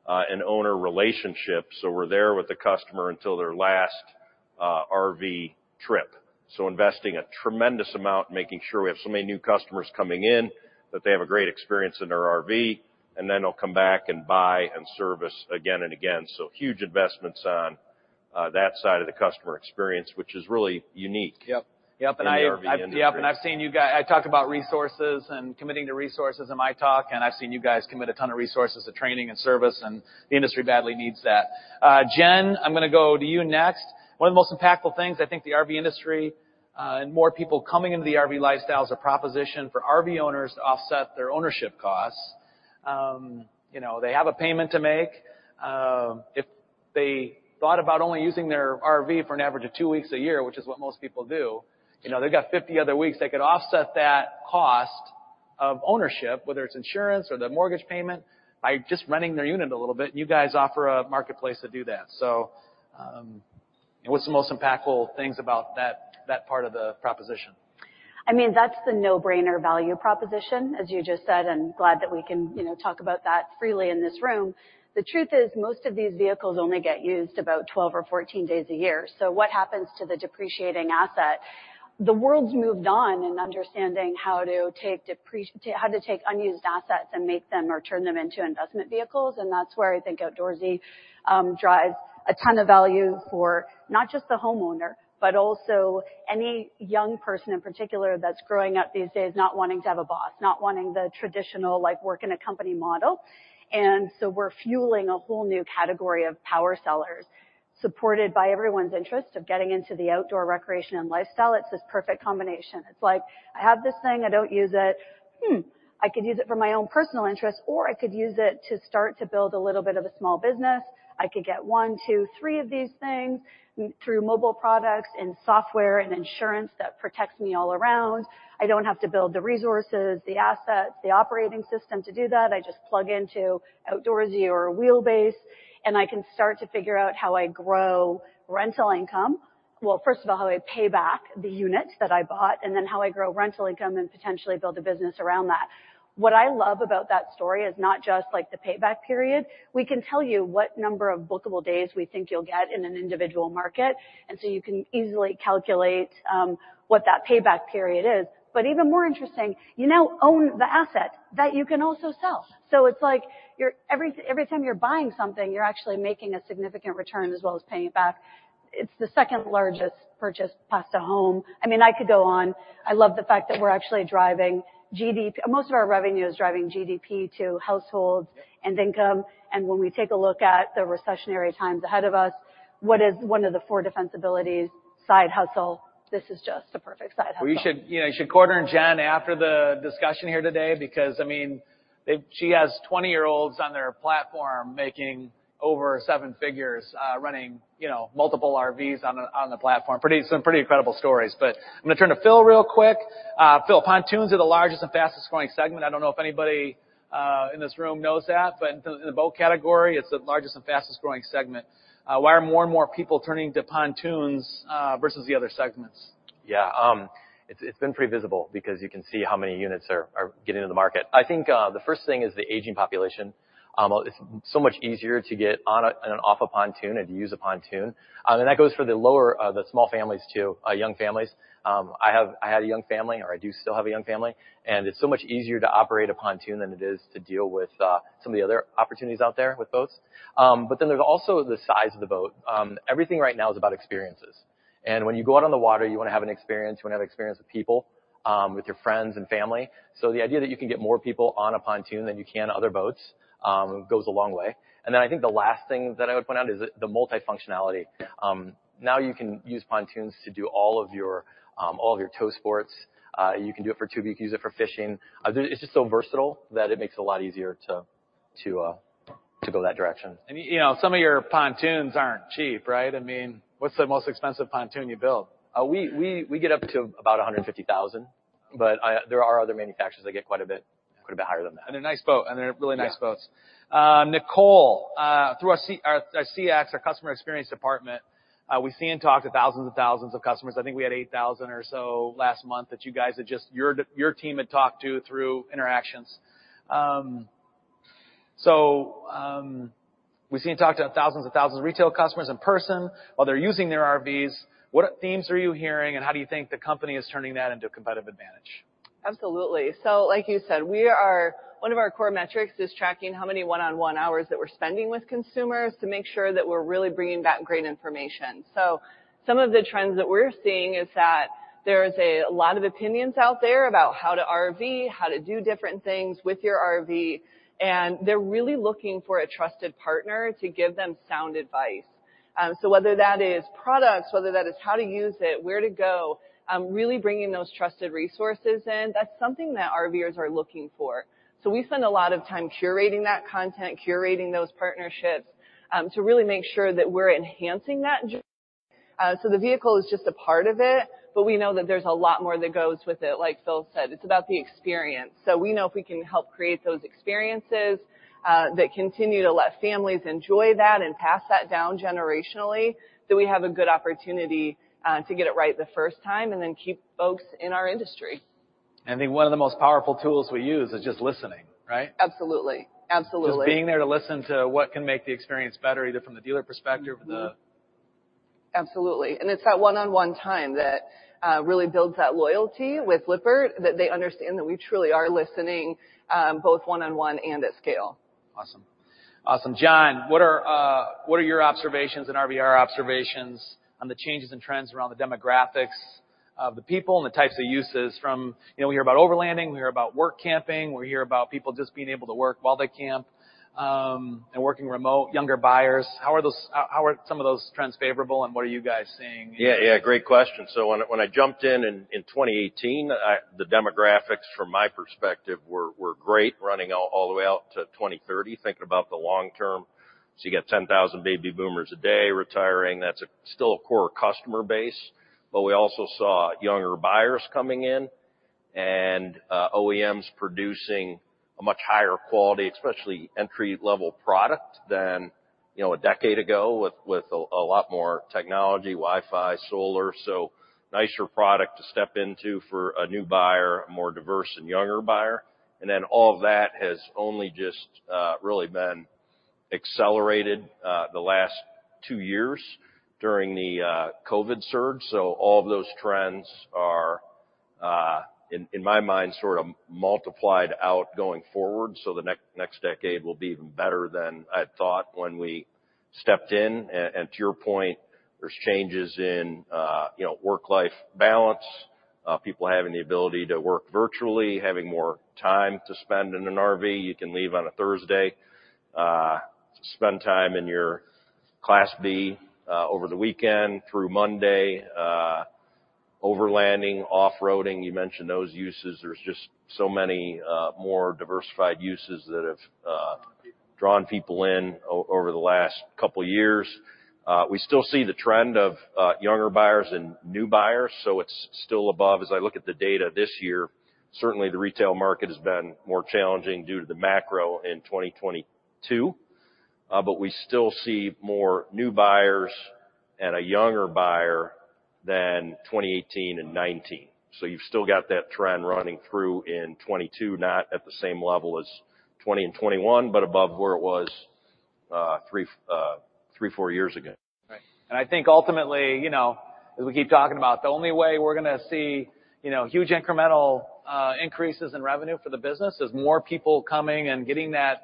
an owner relationship. We're there with the customer until their last RV trip. Investing a tremendous amount, making sure we have so many new customers coming in, that they have a great experience in their RV, and then they'll come back and buy and service again and again. Huge investments on that side of the customer experience, which is really unique. Yep. Yep. In the RV industry. I've seen you guys commit a ton of resources to training and service, and the industry badly needs that. Jen, I'm gonna go to you next. One of the most impactful things, I think, for the RV industry and more people coming into the RV lifestyle is a proposition for RV owners to offset their ownership costs. You know, they have a payment to make. They thought about only using their RV for an average of two weeks a year, which is what most people do. You know, they've got 50 other weeks they could offset that cost of ownership, whether it's insurance or the mortgage payment by just running their unit a little bit, and you guys offer a marketplace to do that. What's the most impactful things about that part of the proposition? I mean, that's the no-brainer value proposition, as you just said, and glad that we can, you know, talk about that freely in this room. The truth is, most of these vehicles only get used about 12 or 14 days a year. So what happens to the depreciating asset? The world's moved on in understanding how to take unused assets and make them or turn them into investment vehicles, and that's where I think Outdoorsy drives a ton of value for not just the homeowner, but also any young person in particular that's growing up these days not wanting to have a boss, not wanting the traditional, like, work in a company model. We're fueling a whole new category of power sellers supported by everyone's interest in getting into the outdoor recreation and lifestyle. It's this perfect combination. It's like, I have this thing, I don't use it. I could use it for my own personal interest, or I could use it to start to build a little bit of a small business. I could get one, two, three of these things through mobile products and software and insurance that protects me all around. I don't have to build the resources, the assets, the operating system to do that. I just plug into Outdoorsy or Wheelbase, and I can start to figure out how I grow rental income. Well, first of all, how I pay back the units that I bought, and then how I grow rental income and potentially build a business around that. What I love about that story is not just like the payback period. We can tell you what number of bookable days we think you'll get in an individual market, and so you can easily calculate what that payback period is. Even more interesting, you now own the asset that you can also sell. It's like you're every time you're buying something, you're actually making a significant return as well as paying it back. It's the second largest purchase past a home. I mean, I could go on. I love the fact that we're actually driving GDP. Most of our revenue is driving GDP to households and income. When we take a look at the recessionary times ahead of us, what is one of the four defensibilities? Side hustle. This is just a perfect side hustle. We should, you know, you should quarter in Jen after the discussion here today because, I mean, she has 20-year-olds on their platform making over seven figures, running, you know, multiple RVs on the platform. Some pretty incredible stories. I'm gonna turn to Phil real quick. Phil, pontoons are the largest and fastest growing segment. I don't know if anybody in this room knows that, but in the boat category, it's the largest and fastest growing segment. Why are more and more people turning to pontoons versus the other segments? Yeah. It's been pretty visible because you can see how many units are getting in the market. I think the first thing is the aging population. It's so much easier to get on and off a pontoon and to use a pontoon. That goes for the lower, the small families too, young families. I had a young family, or I do still have a young family, and it's so much easier to operate a pontoon than it is to deal with some of the other opportunities out there with boats. Then there's also the size of the boat. Everything right now is about experiences. When you go out on the water, you wanna have an experience, you wanna have experience with people, with your friends and family. The idea that you can get more people on a pontoon than you can other boats goes a long way. I think the last thing that I would point out is the multifunctionality. Now you can use pontoons to do all of your tow sports. You can do it for tubing, you can use it for fishing. It's just so versatile that it makes it a lot easier to go that direction. You know, some of your pontoons aren't cheap, right? I mean, what's the most expensive pontoon you build? We get up to about 150,000, but there are other manufacturers that get quite a bit higher than that. They're nice boat, and they're really nice boats. Yeah. Nicole, through our CX, our customer experience department, we've seen and talked to thousands and thousands of customers. I think we had 8,000 or so last month that your team had talked to through interactions. We've seen and talked to thousands and thousands of retail customers in person while they're using their RVs. What themes are you hearing, and how do you think the company is turning that into a competitive advantage? Absolutely. Like you said, one of our core metrics is tracking how many one-on-one hours that we're spending with consumers to make sure that we're really bringing back great information. Some of the trends that we're seeing is that there's a lot of opinions out there about how to RV, how to do different things with your RV, and they're really looking for a trusted partner to give them sound advice. Whether that is products, whether that is how to use it, where to go, really bringing those trusted resources in, that's something that RVers are looking for. We spend a lot of time curating that content, curating those partnerships, to really make sure that we're enhancing that. The vehicle is just a part of it, but we know that there's a lot more that goes with it. Like Phil said, it's about the experience. We know if we can help create those experiences, that continue to let families enjoy that and pass that down generationally, that we have a good opportunity, to get it right the first time and then keep folks in our industry. I think one of the most powerful tools we use is just listening, right? Absolutely. Absolutely. Just being there to listen to what can make the experience better, either from the dealer perspective. Absolutely. It's that one-on-one time that really builds that loyalty with Lippert, that they understand that we truly are listening, both one-on-one and at scale. Awesome. Jon, what are your observations and RVR observations on the changes in trends around the demographics of the people and the types of uses. You know, we hear about overlanding, we hear about work camping, we hear about people just being able to work while they camp, and working remote, younger buyers. How are some of those trends favorable, and what are you guys seeing? Yeah, yeah, great question. So when I jumped in in 2018, the demographics from my perspective were great, running out all the way out to 2030, thinking about the long term. You get 10,000 baby boomers a day retiring. That's still a core customer base. We also saw younger buyers coming in. OEMs producing a much higher quality, especially entry-level product than, you know, a decade ago with a lot more technology, Wi-Fi, solar. Nicer product to step into for a new buyer, a more diverse and younger buyer. All of that has only just really been accelerated the last 2 years during the COVID surge. All of those trends are in my mind, sort of multiplied out going forward. The next decade will be even better than I thought when we stepped in. And to your point, there's changes in, you know, work-life balance, people having the ability to work virtually, having more time to spend in an RV. You can leave on a Thursday, spend time in your Class B, over the weekend through Monday, overlanding, off-roading. You mentioned those uses. There's just so many more diversified uses that have- Drawn people in. Drawn people in over the last couple years. We still see the trend of younger buyers and new buyers, so it's still above. As I look at the data this year, certainly the retail market has been more challenging due to the macro in 2022. We still see more new buyers and a younger buyer than 2018 and 2019. You've still got that trend running through in 2022, not at the same level as 2020 and 2021, but above where it was three, four years ago. Right. I think ultimately, you know, as we keep talking about, the only way we're gonna see, you know, huge incremental increases in revenue for the business is more people coming and getting that,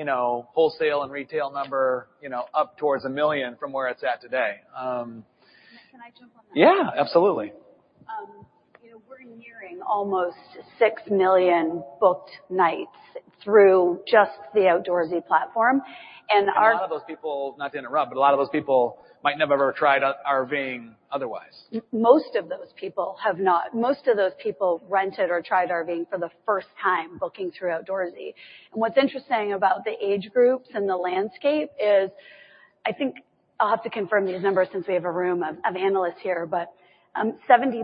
you know, wholesale and retail number, you know, up towards a million from where it's at today. Can I jump on that? Yeah, absolutely. You know, we're nearing almost 6 million booked nights through just the Outdoorsy platform. Our- A lot of those people, not to interrupt, but might never have tried out RVing otherwise. Most of those people have not. Most of those people rented or tried RVing for the first time booking through Outdoorsy. What's interesting about the age groups and the landscape is, I think I'll have to confirm these numbers since we have a room of analysts here, but 70%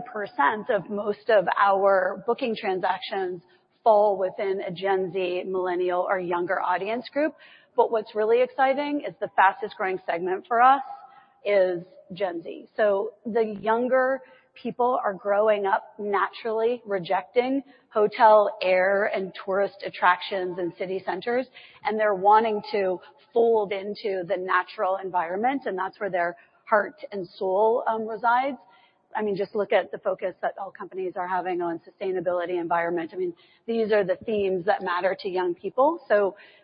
of most of our booking transactions fall within a Gen Z, millennial or younger audience group. What's really exciting is the fastest growing segment for us is Gen Z. The younger people are growing up naturally rejecting hotels, Airbnb, and tourist attractions and city centers, and they're wanting to fold into the natural environment, and that's where their heart and soul resides. I mean, just look at the focus that all companies are having on sustainability, environment. I mean, these are the themes that matter to young people.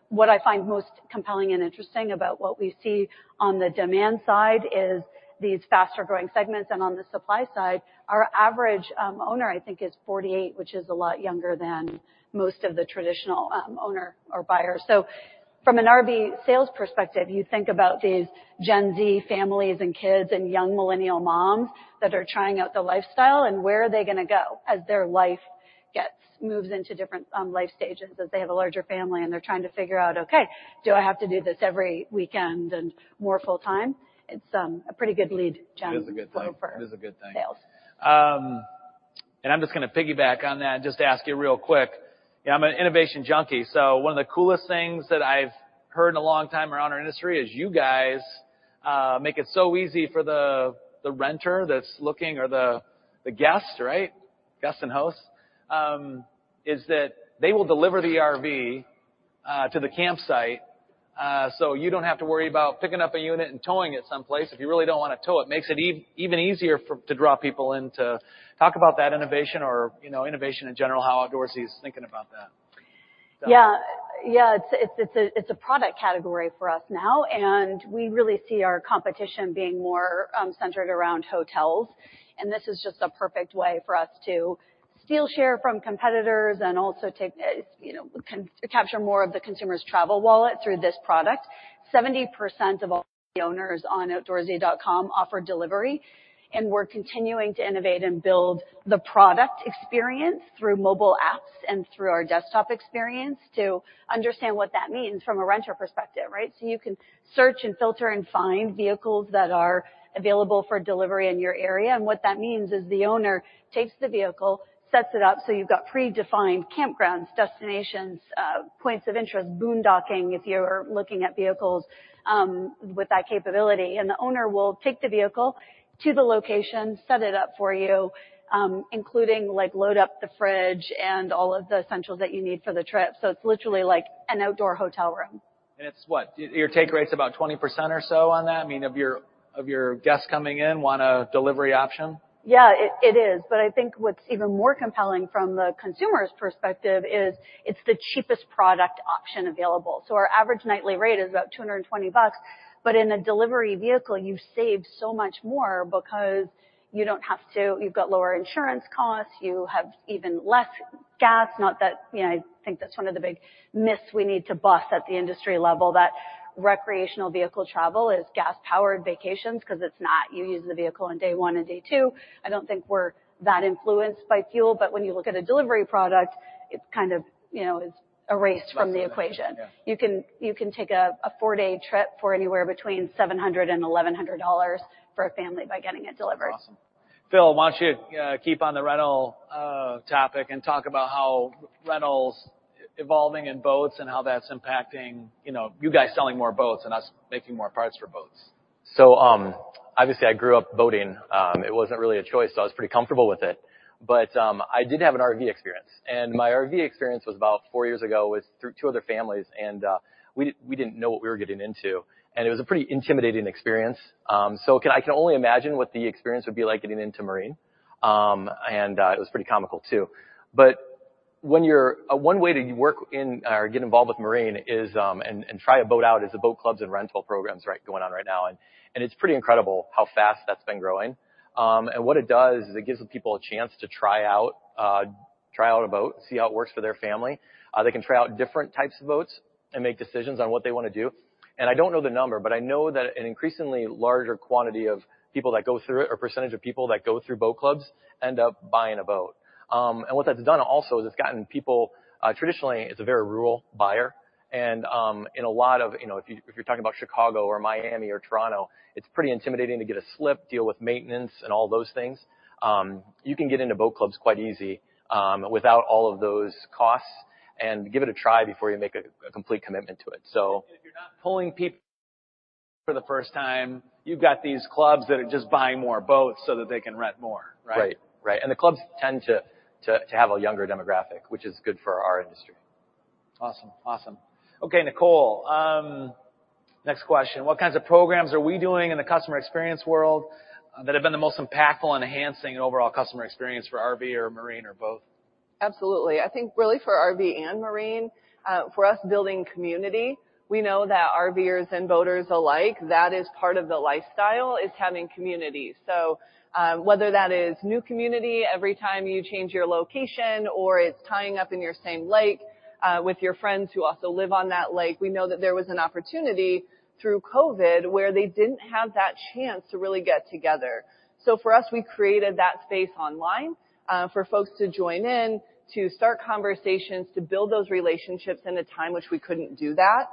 What I find most compelling and interesting about what we see on the demand side is these faster-growing segments. On the supply side, our average owner, I think, is 48, which is a lot younger than most of the traditional owner or buyers. From an RV sales perspective, you think about these Gen Z families and kids and young millennial moms that are trying out the lifestyle and where are they gonna go as their life moves into different life stages as they have a larger family, and they're trying to figure out, "Okay, do I have to do this every weekend and more full-time?" It's a pretty good lead, Jon- It is a good thing. for sales. It is a good thing. I'm just gonna piggyback on that and just ask you real quick. You know, I'm an innovation junkie, so one of the coolest things that I've heard in a long time around our industry is you guys make it so easy for the renter that's looking or the guest. Right? Guest and host. Is that they will deliver the RV to the campsite so you don't have to worry about picking up a unit and towing it someplace if you really don't wanna tow it. Makes it even easier to draw people in to talk about that innovation or, you know, innovation in general, how Outdoorsy is thinking about that. Yeah. It's a product category for us now, and we really see our competition being more centered around hotels. This is just a perfect way for us to steal share from competitors and also take, you know, capture more of the consumer's travel wallet through this product. 70% of all the owners on outdoorsy.com offer delivery, and we're continuing to innovate and build the product experience through mobile apps and through our desktop experience to understand what that means from a renter perspective, right? You can search and filter and find vehicles that are available for delivery in your area. What that means is the owner takes the vehicle, sets it up, so you've got predefined campgrounds, destinations, points of interest, boondocking, if you're looking at vehicles with that capability. The owner will take the vehicle to the location, set it up for you, including, like, load up the fridge and all of the essentials that you need for the trip. It's literally like an outdoor hotel room. It's what? Your take rate's about 20% or so on that? I mean, of your guests coming in want a delivery option? Yeah, it is. I think what's even more compelling from the consumer's perspective is it's the cheapest product option available. Our average nightly rate is about $220. In a delivery vehicle, you save so much more because you don't have to. You've got lower insurance costs, you have even less gas. Not that, you know, I think that's one of the big myths we need to bust at the industry level, that recreational vehicle travel is gas-powered vacations, 'cause it's not. You use the vehicle on day one and day two. I don't think we're that influenced by fuel. When you look at a delivery product, it kind of, you know, is erased from the equation. Yeah. You can take a 4-day trip for anywhere between $700 and $1,100 for a family by getting it delivered. Awesome. Phil, why don't you keep on the rental topic and talk about how rentals evolving in boats and how that's impacting, you know, you guys selling more boats and us making more parts for boats. Obviously I grew up boating. It wasn't really a choice, so I was pretty comfortable with it. I did have an RV experience, and my RV experience was about four years ago. It was through two other families, and we didn't know what we were getting into, and it was a pretty intimidating experience. I can only imagine what the experience would be like getting into marine. It was pretty comical too. One way to work in or get involved with marine is, and try a boat out is the boat clubs and rental programs going on right now. It's pretty incredible how fast that's been growing. What it does is it gives people a chance to try out a boat, see how it works for their family. They can try out different types of boats and make decisions on what they wanna do. I don't know the number, but I know that an increasingly larger quantity of people that go through it or percentage of people that go through boat clubs end up buying a boat. What that's done also is it's gotten people, traditionally it's a very rural buyer. In a lot of, if you're talking about Chicago or Miami or Toronto, it's pretty intimidating to get a slip, deal with maintenance and all those things. You can get into boat clubs quite easy, without all of those costs and give it a try before you make a complete commitment to it. If you're not pulling people for the first time, you've got these clubs that are just buying more boats so that they can rent more, right? Right. The clubs tend to have a younger demographic, which is good for our industry. Awesome. Okay, Nicole, next question. What kinds of programs are we doing in the customer experience world that have been the most impactful in enhancing an overall customer experience for RV or marine or both? Absolutely. I think really for RV and marine, for us, building community. We know that RVers and boaters alike, that is part of the lifestyle, is having community. Whether that is new community every time you change your location or it's tying up in your same lake, with your friends who also live on that lake, we know that there was an opportunity through COVID where they didn't have that chance to really get together. For us, we created that space online, for folks to join in, to start conversations, to build those relationships in a time which we couldn't do that.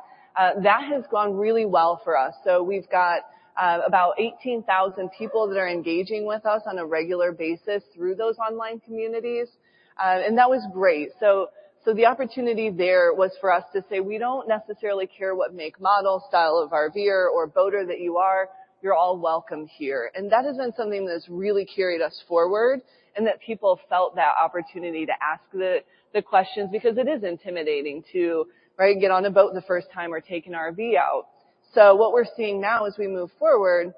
That has gone really well for us. We've got about 18,000 people that are engaging with us on a regular basis through those online communities. That was great. The opportunity there was for us to say, we don't necessarily care what make, model, style of RVer or boater that you are, you're all welcome here. That has been something that's really carried us forward and that people felt that opportunity to ask the questions because it is intimidating, right, to get on a boat the first time or take an RV out. What we're seeing now as we move forward,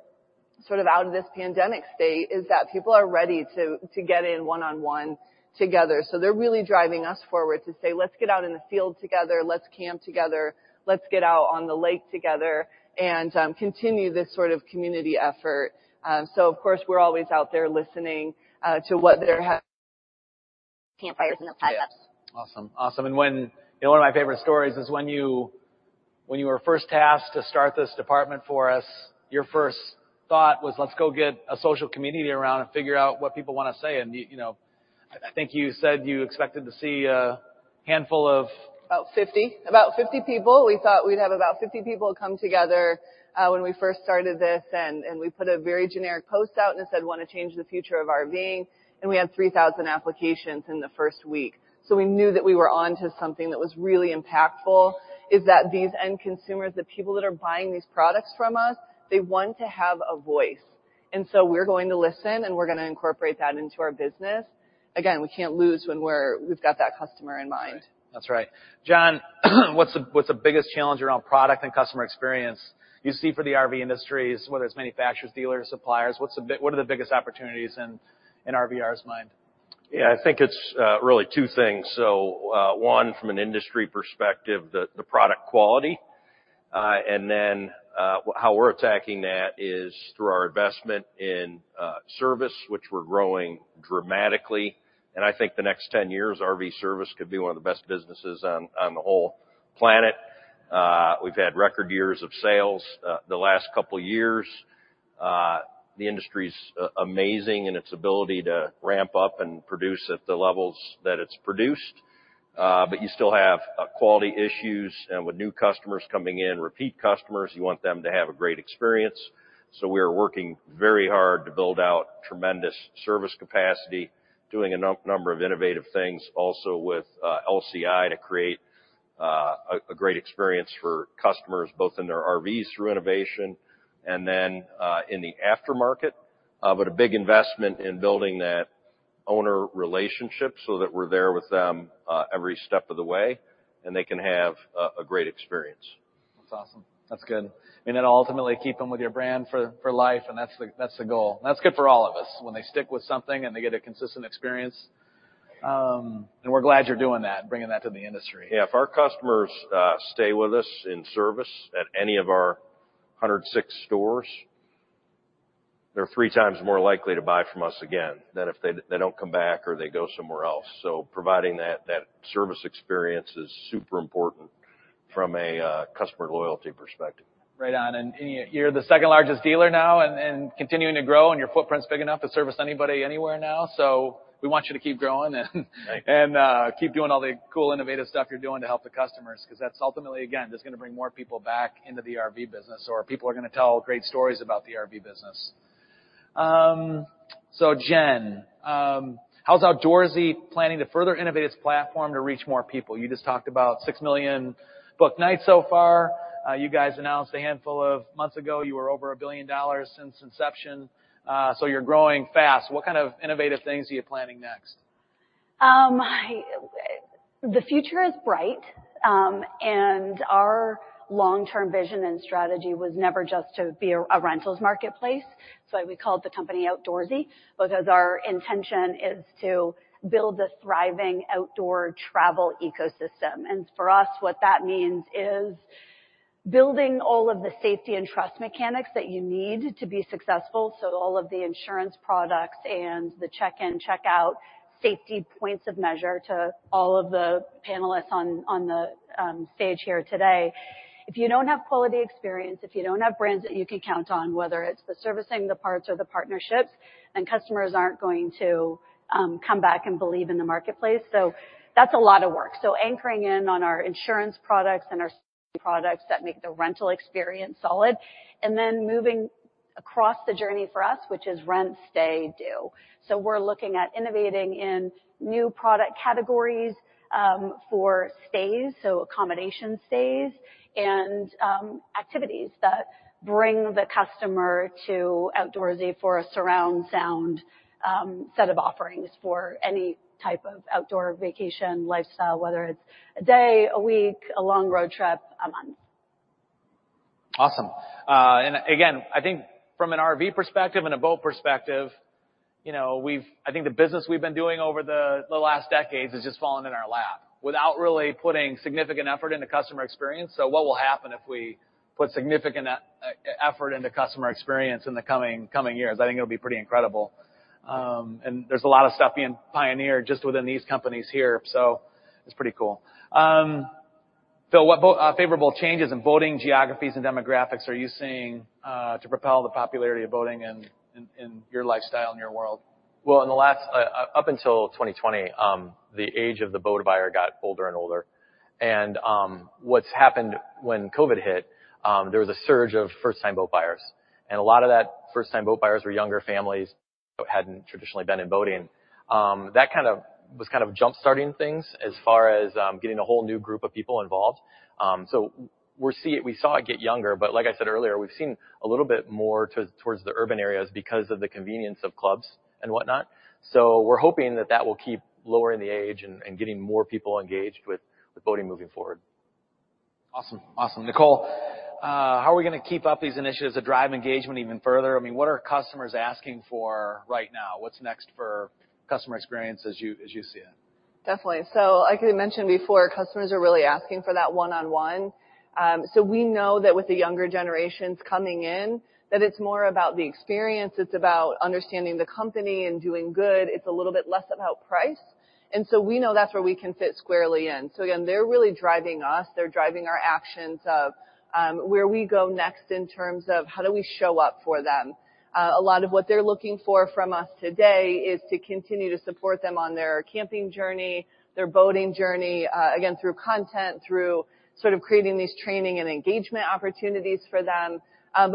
sort of out of this pandemic state, is that people are ready to get in one-on-one together. They're really driving us forward to say, "Let's get out in the field together. Let's camp together. Let's get out on the lake together and continue this sort of community effort." Of course we're always out there listening to what they're. Yeah. Awesome. When you know, one of my favorite stories is when you were first tasked to start this department for us, your first thought was, "Let's go get a social community around and figure out what people wanna say." You know, I think you said you expected to see a handful of- About 50 people. We thought we'd have about 50 people come together, when we first started this, and we put a very generic post out, and it said, "Wanna change the future of RVing?" We had 3,000 applications in the first week. We knew that we were onto something that was really impactful, that is these end consumers, the people that are buying these products from us, they want to have a voice. We're going to listen, and we're gonna incorporate that into our business. Again, we can't lose. We've got that customer in mind. Right. That's right. Jon, what's the biggest challenge around product and customer experience you see for the RV industries, whether it's manufacturers, dealers, suppliers? What are the biggest opportunities in RVR's mind? Yeah. I think it's really two things. One, from an industry perspective, the product quality. How we're attacking that is through our investment in service, which we're growing dramatically. I think the next 10 years, RV service could be one of the best businesses on the whole planet. We've had record years of sales the last couple years. The industry's amazing in its ability to ramp up and produce at the levels that it's produced. You still have quality issues, and with new customers coming in, repeat customers, you want them to have a great experience. We are working very hard to build out tremendous service capacity, doing a number of innovative things also with LCI to create a great experience for customers both in their RVs through innovation and then in the aftermarket. A big investment in building that owner relationship so that we're there with them every step of the way, and they can have a great experience. That's awesome. That's good. It'll ultimately keep them with your brand for life, and that's the goal. That's good for all of us, when they stick with something and they get a consistent experience. We're glad you're doing that, bringing that to the industry. Yeah. If our customers stay with us in service at any of our 106 stores, they're three times more likely to buy from us again than if they don't come back or they go somewhere else. Providing that service experience is super important from a customer loyalty perspective. Right on. You, you're the second largest dealer now and continuing to grow, and your footprint's big enough to service anybody anywhere now. We want you to keep growing and. Right. Keep doing all the cool, innovative stuff you're doing to help the customers, 'cause that's ultimately, again, that's gonna bring more people back into the RV business, or people are gonna tell great stories about the RV business. Jen, how's Outdoorsy planning to further innovate its platform to reach more people? You just talked about 6 million booked nights so far. You guys announced a handful of months ago you were over $1 billion since inception, so you're growing fast. What kind of innovative things are you planning next? The future is bright, and our long-term vision and strategy was never just to be a rentals marketplace, so we called the company Outdoorsy. Our intention is to build a thriving outdoor travel ecosystem. For us, what that means is building all of the safety and trust mechanics that you need to be successful. All of the insurance products and the check-in, check-out safety points of measure to all of the panelists on the stage here today. If you don't have quality experience, if you don't have brands that you can count on, whether it's the servicing, the parts or the partnerships, then customers aren't going to come back and believe in the marketplace. That's a lot of work. Anchoring in on our insurance products and our products that make the rental experience solid, and then moving across the journey for us, which is rent, stay, do. We're looking at innovating in new product categories, for stays, so accommodation stays and, activities that bring the customer to Outdoorsy for a surround sound, set of offerings for any type of outdoor vacation lifestyle, whether it's a day, a week, a long road trip, a month. Awesome. Again, I think from an RV perspective and a boat perspective, you know, we've I think the business we've been doing over the last decades has just fallen in our lap without really putting significant effort into customer experience. What will happen if we put significant effort into customer experience in the coming years? I think it'll be pretty incredible. There's a lot of stuff being pioneered just within these companies here, so it's pretty cool. Phil, what favorable changes in boating geographies and demographics are you seeing to propel the popularity of boating in your lifestyle and your world? Up until 2020, the age of the boat buyer got older and older. What's happened when COVID hit, there was a surge of first-time boat buyers. A lot of that first-time boat buyers were younger families who hadn't traditionally been in boating. That kind of jump-starting things as far as getting a whole new group of people involved. We saw it get younger, but like I said earlier, we've seen a little bit more towards the urban areas because of the convenience of clubs and whatnot. We're hoping that that will keep lowering the age and getting more people engaged with boating moving forward. Awesome. Awesome. Nicole, how are we gonna keep up these initiatives to drive engagement even further? I mean, what are customers asking for right now? What's next for customer experience as you see it? Definitely. Like I mentioned before, customers are really asking for that one-on-one. We know that with the younger generations coming in, that it's more about the experience, it's about understanding the company and doing good. It's a little bit less about price. We know that's where we can fit squarely in. Again, they're really driving us. They're driving our actions of, where we go next in terms of how do we show up for them. A lot of what they're looking for from us today is to continue to support them on their camping journey, their boating journey, again, through content, through sort of creating these training and engagement opportunities for them.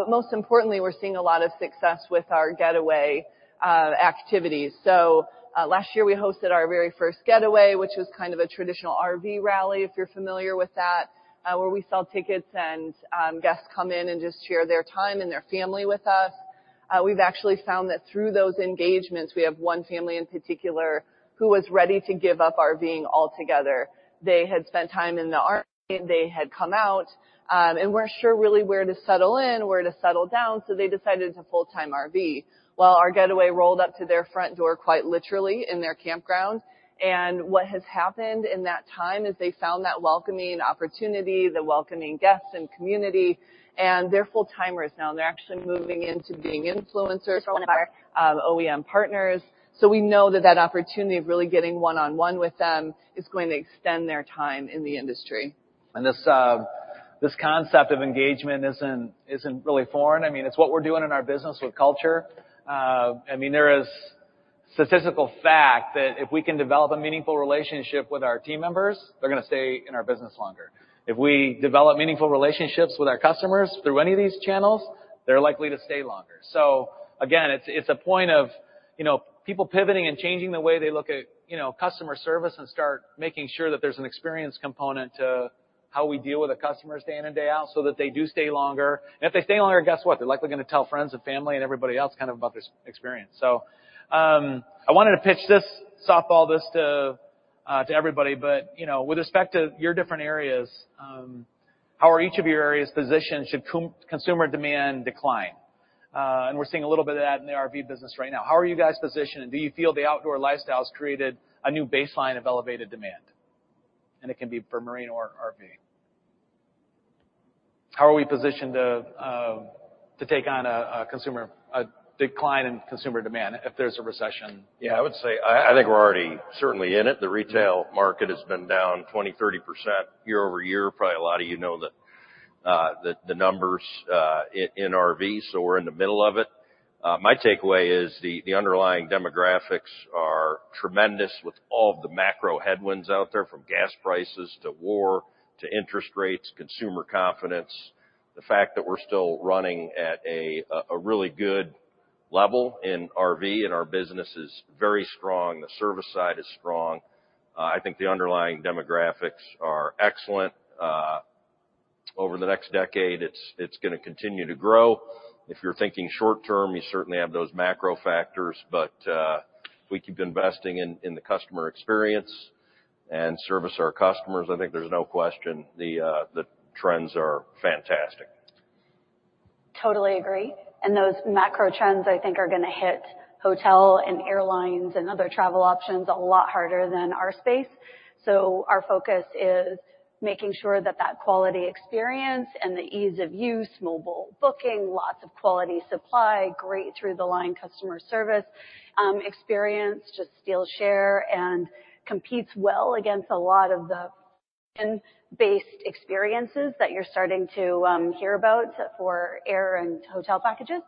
Most importantly, we're seeing a lot of success with our getaway activities. Last year, we hosted our very first getaway, which was kind of a traditional RV rally, if you're familiar with that, where we sell tickets and guests come in and just share their time and their family with us. We've actually found that through those engagements, we have one family in particular who was ready to give up RVing altogether. They had spent time in the RV, they had come out and weren't sure really where to settle in, where to settle down, so they decided to full-time RV. Well, our getaway rolled up to their front door quite literally in their campground. What has happened in that time is they found that welcoming opportunity, the welcoming guests and community, and they're full-timers now, and they're actually moving into being influencers for one of our OEM partners. We know that opportunity of really getting one-on-one with them is going to extend their time in the industry. This concept of engagement isn't really foreign. I mean, it's what we're doing in our business with culture. I mean, there is statistical fact that if we can develop a meaningful relationship with our team members, they're gonna stay in our business longer. If we develop meaningful relationships with our customers through any of these channels, they're likely to stay longer. Again, it's a point of, you know, people pivoting and changing the way they look at, you know, customer service and start making sure that there's an experience component to how we deal with the customers day in and day out so that they do stay longer. If they stay longer, guess what? They're likely gonna tell friends and family and everybody else kind of about this experience. I wanted to pitch this softball just to everybody. You know, with respect to your different areas, how are each of your areas positioned should consumer demand decline? We're seeing a little bit of that in the RV business right now. How are you guys positioned, and do you feel the outdoor lifestyle's created a new baseline of elevated demand? It can be for marine or RV. How are we positioned to take on a decline in consumer demand if there's a recession? Yeah, I would say I think we're already certainly in it. The retail market has been down 20%-30% year-over-year. Probably a lot of you know the numbers in RV, so we're in the middle of it. My takeaway is the underlying demographics are tremendous with all of the macro headwinds out there, from gas prices to war to interest rates, consumer confidence. The fact that we're still running at a really good level in RV and our business is very strong, the service side is strong. I think the underlying demographics are excellent. Over the next decade, it's gonna continue to grow. If you're thinking short term, you certainly have those macro factors, but if we keep investing in the customer experience and service our customers, I think there's no question the trends are fantastic. Totally agree. Those macro trends I think are gonna hit hotel and airlines and other travel options a lot harder than our space. Our focus is making sure that that quality experience and the ease of use, mobile booking, lots of quality supply, great end-to-end customer service experience, just steal share and compete well against a lot of the inn-based experiences that you're starting to hear about for air and hotel packages.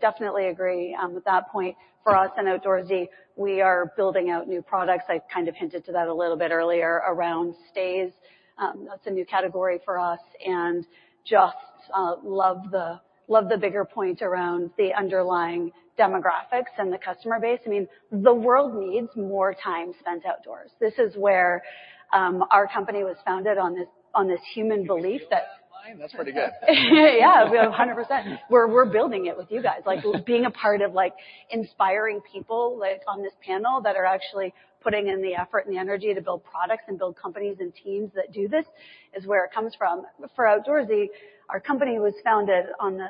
Definitely agree with that point. For us in Outdoorsy, we are building out new products. I kind of hinted to that a little bit earlier around stays. That's a new category for us, and just love the bigger point around the underlying demographics and the customer base. I mean, the world needs more time spent outdoors. This is where our company was founded on this human belief that. That's pretty good. Yeah, we have 100%. We're building it with you guys. Like, being a part of, like, inspiring people, like on this panel, that are actually putting in the effort and the energy to build products and build companies and teams that do this is where it comes from. For Outdoorsy, our company was founded on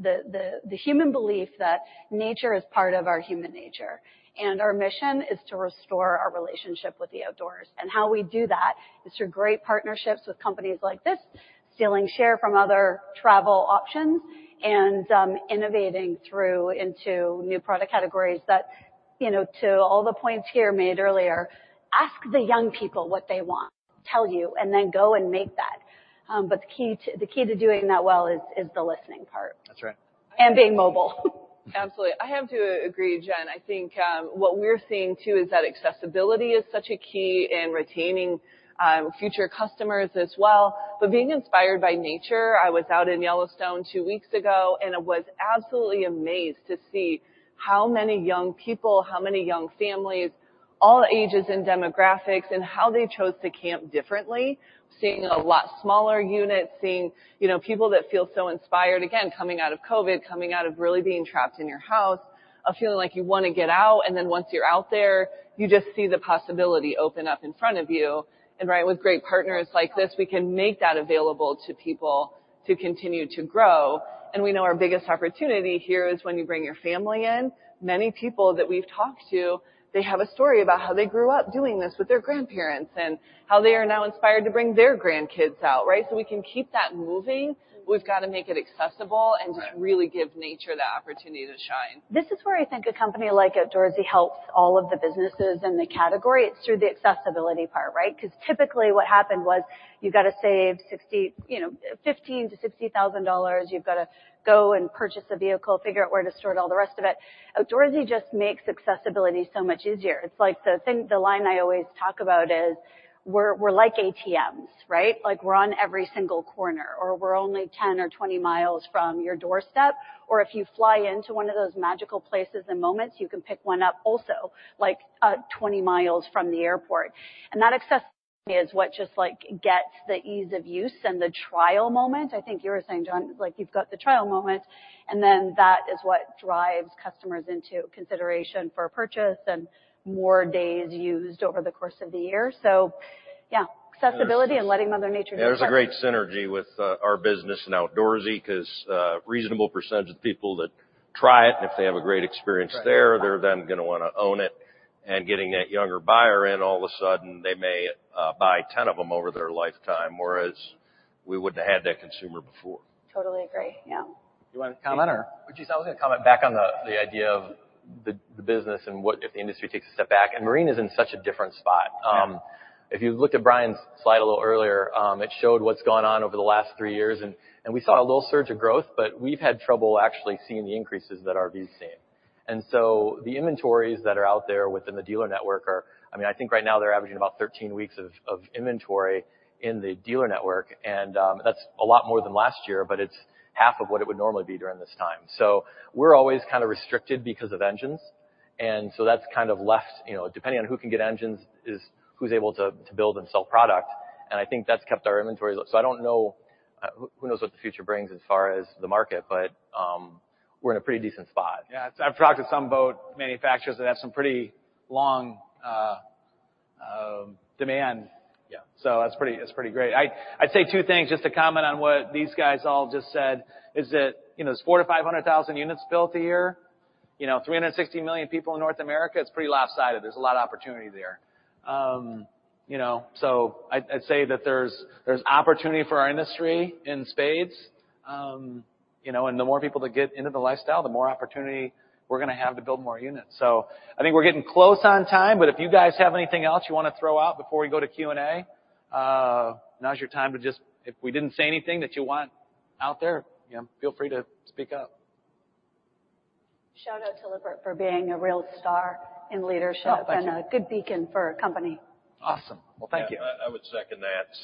the human belief that nature is part of our human nature, and our mission is to restore our relationship with the outdoors. How we do that is through great partnerships with companies like this, stealing share from other travel options, and innovating through into new product categories that, you know, to all the points here made earlier, ask the young people what they want, tell you, and then go and make that. The key to doing that well is the listening part. That's right. Being mobile. Absolutely. I have to agree, Jen. I think what we're seeing too is that accessibility is such a key in retaining future customers as well. Being inspired by nature, I was out in Yellowstone two weeks ago, and I was absolutely amazed to see how many young people, how many young families, all ages and demographics, and how they chose to camp differently. Seeing a lot smaller units, seeing, you know, people that feel so inspired, again, coming out of COVID, coming out of really being trapped in your house, of feeling like you wanna get out, and then once you're out there, you just see the possibility open up in front of you. Right with great partners like this, we can make that available to people to continue to grow. We know our biggest opportunity here is when you bring your family in. Many people that we've talked to, they have a story about how they grew up doing this with their grandparents and how they are now inspired to bring their grandkids out, right? We can keep that moving. We've got to make it accessible and just really give nature the opportunity to shine. This is where I think a company like Outdoorsy helps all of the businesses in the category. It's through the accessibility part, right? 'Cause typically what happened was you've got to save, you know, $15,000-$60,000. You've got to go and purchase a vehicle, figure out where to store it, all the rest of it. Outdoorsy just makes accessibility so much easier. It's like the thing, the line I always talk about is we're like ATMs, right? Like, we're on every single corner, or we're only 10 or 20 miles from your doorstep. Or if you fly into one of those magical places and moments, you can pick one up also, like, 20 miles from the airport. That access is what just, like, gets the ease of use and the trial moment. I think you were saying, Jon, like you've got the trial moment, and then that is what drives customers into consideration for purchase and more days used over the course of the year. Yeah, accessibility and letting Mother Nature- There's a great synergy with our business and Outdoorsy because a reasonable percentage of people that try it, and if they have a great experience there, they're then gonna wanna own it. Getting that younger buyer in, all of a sudden, they may buy 10 of them over their lifetime, whereas we wouldn't have had that consumer before. Totally agree. Yeah. You wanna comment or? I was gonna comment back on the idea of the business and what if the industry takes a step back. Marine is in such a different spot. If you looked at Brian's slide a little earlier, it showed what's gone on over the last three years and we saw a little surge of growth, but we've had trouble actually seeing the increases that RV's seen. The inventories that are out there within the dealer network are, I mean, I think right now they're averaging about 13 weeks of inventory in the dealer network, and that's a lot more than last year, but it's half of what it would normally be during this time. We're always kind of restricted because of engines, and so that's kind of left, you know, depending on who can get engines is who's able to to build and sell product, and I think that's kept our inventories up. I don't know who knows what the future brings as far as the market, but we're in a pretty decent spot. Yeah. I've talked to some boat manufacturers that have some pretty long demand. Yeah. That's pretty great. I'd say two things just to comment on what these guys all just said is that, you know, there's 400,000-500,000 units built a year. You know, 360 million people in North America, it's pretty lopsided. There's a lot of opportunity there. You know, I'd say that there's opportunity for our industry in spades. You know, the more people that get into the lifestyle, the more opportunity we're gonna have to build more units. I think we're getting close on time, but if you guys have anything else you wanna throw out before we go to Q&A, now's your time if we didn't say anything that you want out there, you know, feel free to speak up. Shout out to Lippert for being a real star in leadership. Oh, thank you. a good beacon for our company. Awesome. Well, thank you. I would second that.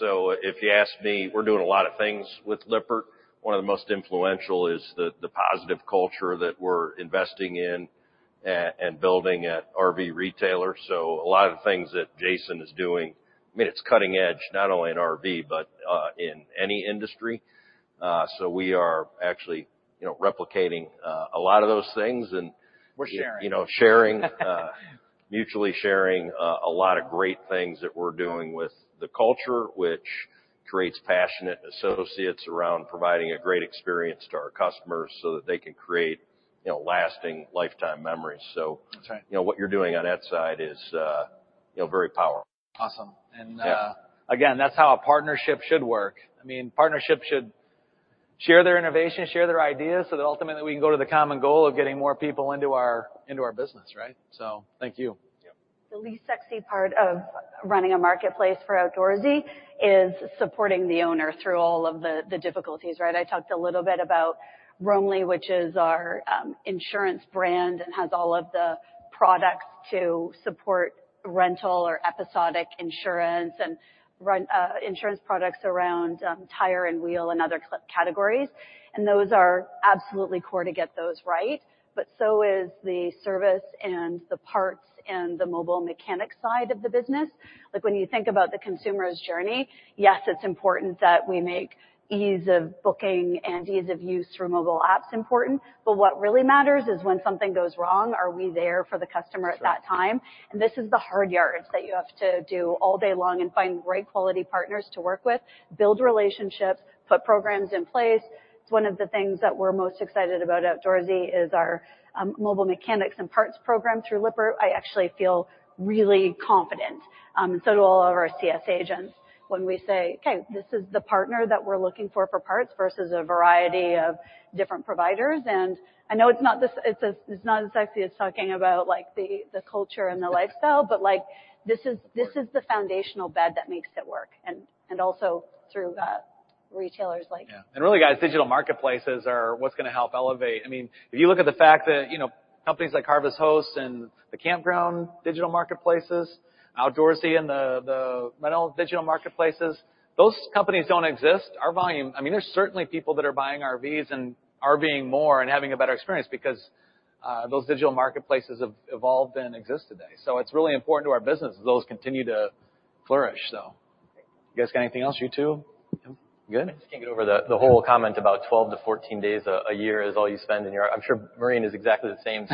If you ask me, we're doing a lot of things with Lippert. One of the most influential is the positive culture that we're investing in and building at RV Retailer. A lot of the things that Jason is doing, I mean, it's cutting edge, not only in RV, but in any industry. We are actually, you know, replicating a lot of those things and- We're sharing. you know, mutually sharing a lot of great things that we're doing with the culture, which creates passionate associates around providing a great experience to our customers so that they can create, you know, lasting lifetime memories. That's right. You know, what you're doing on that side is, you know, very powerful. Awesome. Again, that's how a partnership should work. I mean, partnerships should share their innovation, share their ideas, so that ultimately we can go to the common goal of getting more people into our business, right? Thank you. Yeah. The least sexy part of running a marketplace for Outdoorsy is supporting the owner through all of the difficulties, right? I talked a little bit about Roamly, which is our insurance brand and has all of the products to support rental or episodic insurance and run insurance products around tire and wheel and other categories. Those are absolutely core to get those right, but so is the service and the parts and the mobile mechanic side of the business. Like, when you think about the consumer's journey, yes, it's important that we make ease of booking and ease of use through mobile apps important, but what really matters is when something goes wrong, are we there for the customer at that time? This is the hard yards that you have to do all day long and find great quality partners to work with, build relationships, put programs in place. It's one of the things that we're most excited about Outdoorsy is our mobile mechanics and parts program through Lippert. I actually feel really confident, and so do all of our CS agents when we say, "Okay, this is the partner that we're looking for for parts versus a variety of different providers." I know it's not as sexy as talking about, like, the culture and the lifestyle, but, like, this is. This is the foundational bed that makes it work, and also through retailers like- Yeah. Really, guys, digital marketplaces are what's gonna help elevate. I mean, if you look at the fact that, you know, companies like Harvest Hosts and the campground digital marketplaces, Outdoorsy, and the rental digital marketplaces, those companies don't exist. Our volume I mean, there's certainly people that are buying RVs and RVing more and having a better experience because those digital marketplaces have evolved and exist today. It's really important to our business those continue to flourish. You guys got anything else? You two? Good? I just can't get over the whole comment about 12-14 days a year is all you spend in your. I'm sure marine is exactly the same.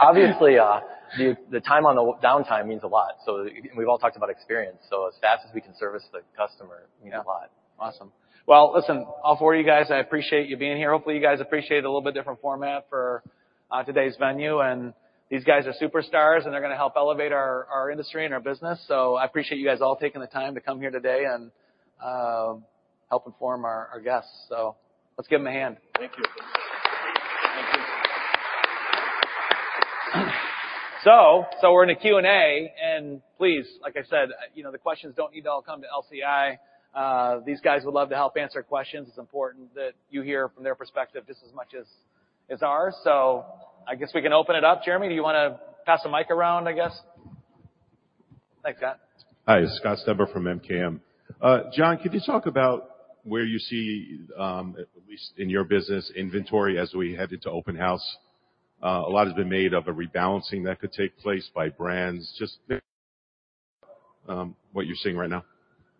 Obviously, the time on the downtime means a lot. We've all talked about experience, so as fast as we can service the customer means a lot. Awesome. Well, listen, all four of you guys, I appreciate you being here. Hopefully, you guys appreciate a little bit different format for today's venue, and these guys are superstars, and they're gonna help elevate our industry and our business. I appreciate you guys all taking the time to come here today and help inform our guests. Let's give them a hand. Thank you. We're in a Q&A, and please, like I said, you know the questions don't need to all come to LCI. These guys would love to help answer questions. It's important that you hear from their perspective just as much as ours. I guess we can open it up. Jeremy, do you wanna pass the mic around, I guess? Thanks, Scott. Hi. Scott Stember from MKM. Jon, could you talk about where you see, at least in your business inventory as we head into open house? A lot has been made of a rebalancing that could take place by brands. Just maybe, what you're seeing right now.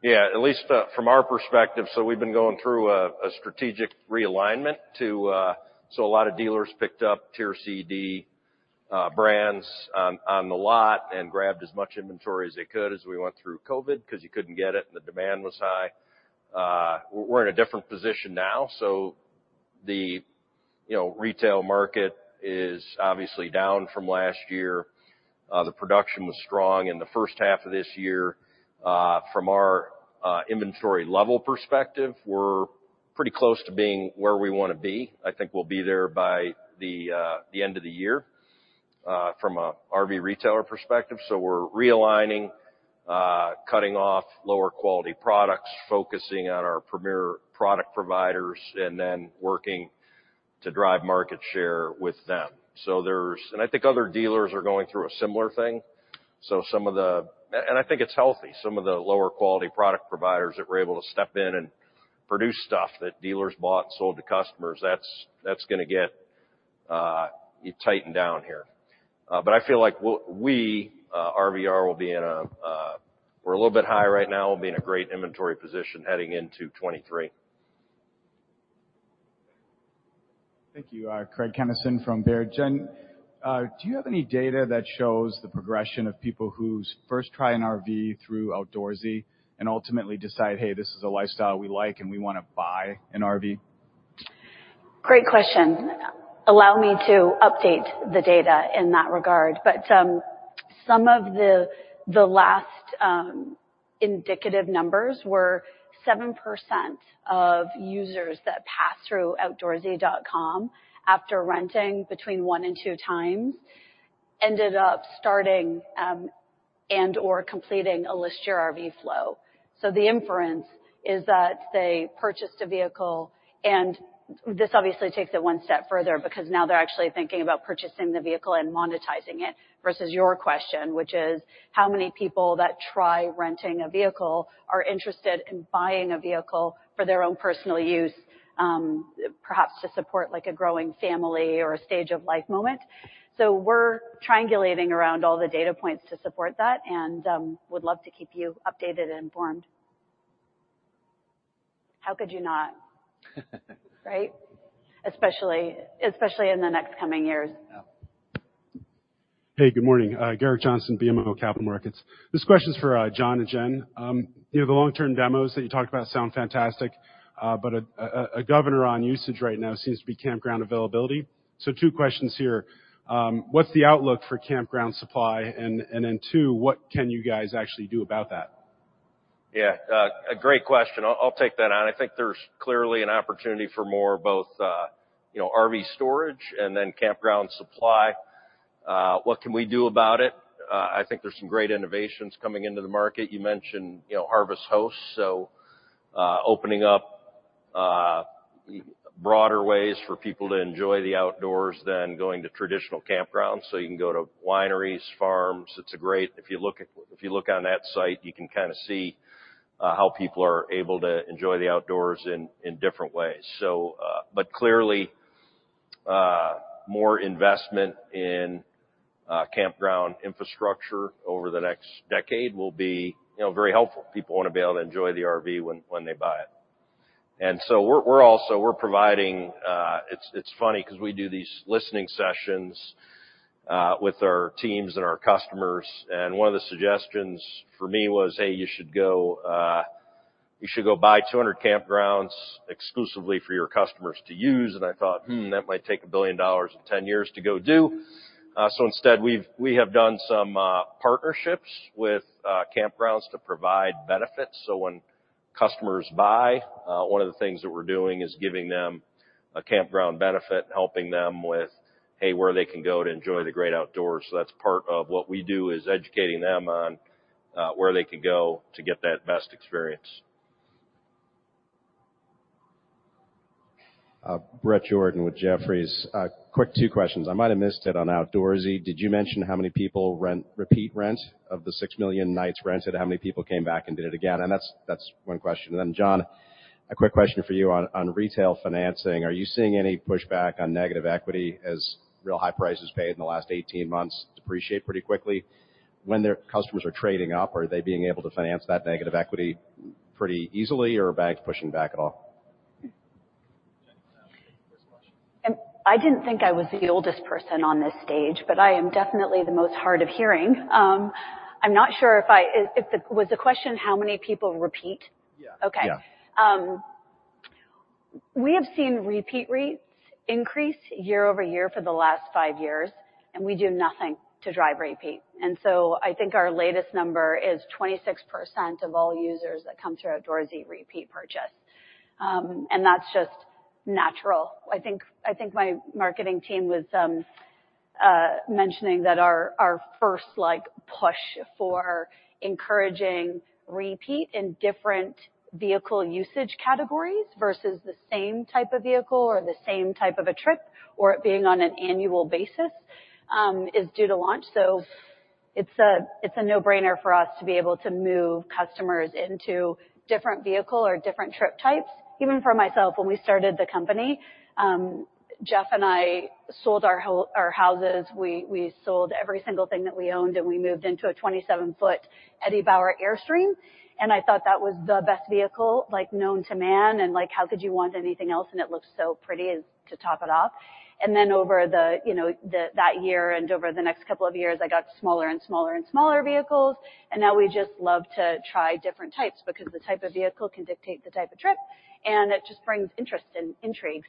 Yeah. At least, from our perspective. We've been going through a strategic realignment. A lot of dealers picked up tier C, D, brands on the lot and grabbed as much inventory as they could as we went through COVID, 'cause you couldn't get it and the demand was high. We're in a different position now, so, you know, the retail market is obviously down from last year. The production was strong in the first half of this year. From our inventory level perspective, we're pretty close to being where we wanna be. I think we'll be there by the end of the year from a RV retailer perspective. We're realigning, cutting off lower quality products, focusing on our premier product providers, and then working to drive market share with them. I think other dealers are going through a similar thing. I think it's healthy. Some of the lower quality product providers that were able to step in and produce stuff that dealers bought and sold to customers, that's gonna get tightened down here. I feel like we're a little bit high right now. We'll be in a great inventory position heading into 2023. Thank you. Craig Kennison from Baird. Jen, do you have any data that shows the progression of people whose first try an RV through Outdoorsy and ultimately decide, "Hey, this is a lifestyle we like, and we wanna buy an RV?" Great question. Allow me to update the data in that regard. Some of the last indicative numbers were 7% of users that pass through outdoorsy.com after renting between 1 and 2 ended up starting and or completing a list your RV flow. The inference is that they purchased a vehicle, and this obviously takes it one step further because now they're actually thinking about purchasing the vehicle and monetizing it versus your question, which is how many people that try renting a vehicle are interested in buying a vehicle for their own personal use, perhaps to support like a growing family or a stage of life moment. We're triangulating around all the data points to support that and would love to keep you updated and informed. How could you not? Right? Especially in the next coming years. Yeah. Hey, good morning. Gerrick Johnson, BMO Capital Markets. This question is for Jon and Jen. You know, the long-term demos that you talked about sound fantastic, but a governor on usage right now seems to be campground availability. Two questions here. What's the outlook for campground supply? Then two, what can you guys actually do about that? Yeah, a great question. I'll take that on. I think there's clearly an opportunity for more both, you know, RV storage and then campground supply. What can we do about it? I think there's some great innovations coming into the market. You mentioned, you know, Harvest Hosts, opening up broader ways for people to enjoy the outdoors than going to traditional campgrounds. You can go to wineries, farms. It's great. If you look on that site, you can kinda see how people are able to enjoy the outdoors in different ways. But clearly, more investment in campground infrastructure over the next decade will be, you know, very helpful. People wanna be able to enjoy the RV when they buy it. We're providing. It's funny 'cause we do these listening sessions with our teams and our customers, and one of the suggestions for me was, "Hey, you should go buy 200 campgrounds exclusively for your customers to use." I thought, "Hmm, that might take $1 billion and 10 years to go do." Instead, we've done some partnerships with campgrounds to provide benefits. When customers buy, one of the things that we're doing is giving them a campground benefit, helping them with, hey, where they can go to enjoy the great outdoors. That's part of what we do, is educating them on where they can go to get that best experience. Bret Jordan with Jefferies. Quick two questions. I might have missed it on Outdoorsy. Did you mention how many people rent—repeat rent of the 6 million nights rented? How many people came back and did it again? That's one question. Then, Jon, a quick question for you on retail financing. Are you seeing any pushback on negative equity as really high prices paid in the last 18 months depreciate pretty quickly? When their customers are trading up, are they being able to finance that negative equity pretty easily or are banks pushing back at all? I didn't think I was the oldest person on this stage, but I am definitely the most hard of hearing. I'm not sure if the question was how many people repeat? Yeah. Okay. We have seen repeat rates increase year-over-year for the last five years, and we do nothing to drive repeat. I think our latest number is 26% of all users that come through Outdoorsy repeat purchase. That's just natural. I think my marketing team was mentioning that our first like push for encouraging repeat in different vehicle usage categories versus the same type of vehicle or the same type of a trip or it being on an annual basis is due to launch. It's a no-brainer for us to be able to move customers into different vehicle or different trip types. Even for myself, when we started the company, Jeff and I sold our houses. We sold every single thing that we owned, and we moved into a 27-foot Eddie Bauer Airstream, and I thought that was the best vehicle like known to man, and like how could you want anything else? It looks so pretty to top it off. Then over that year and over the next couple of years, I got smaller and smaller and smaller vehicles. Now we just love to try different types because the type of vehicle can dictate the type of trip, and it just brings interest and intrigue.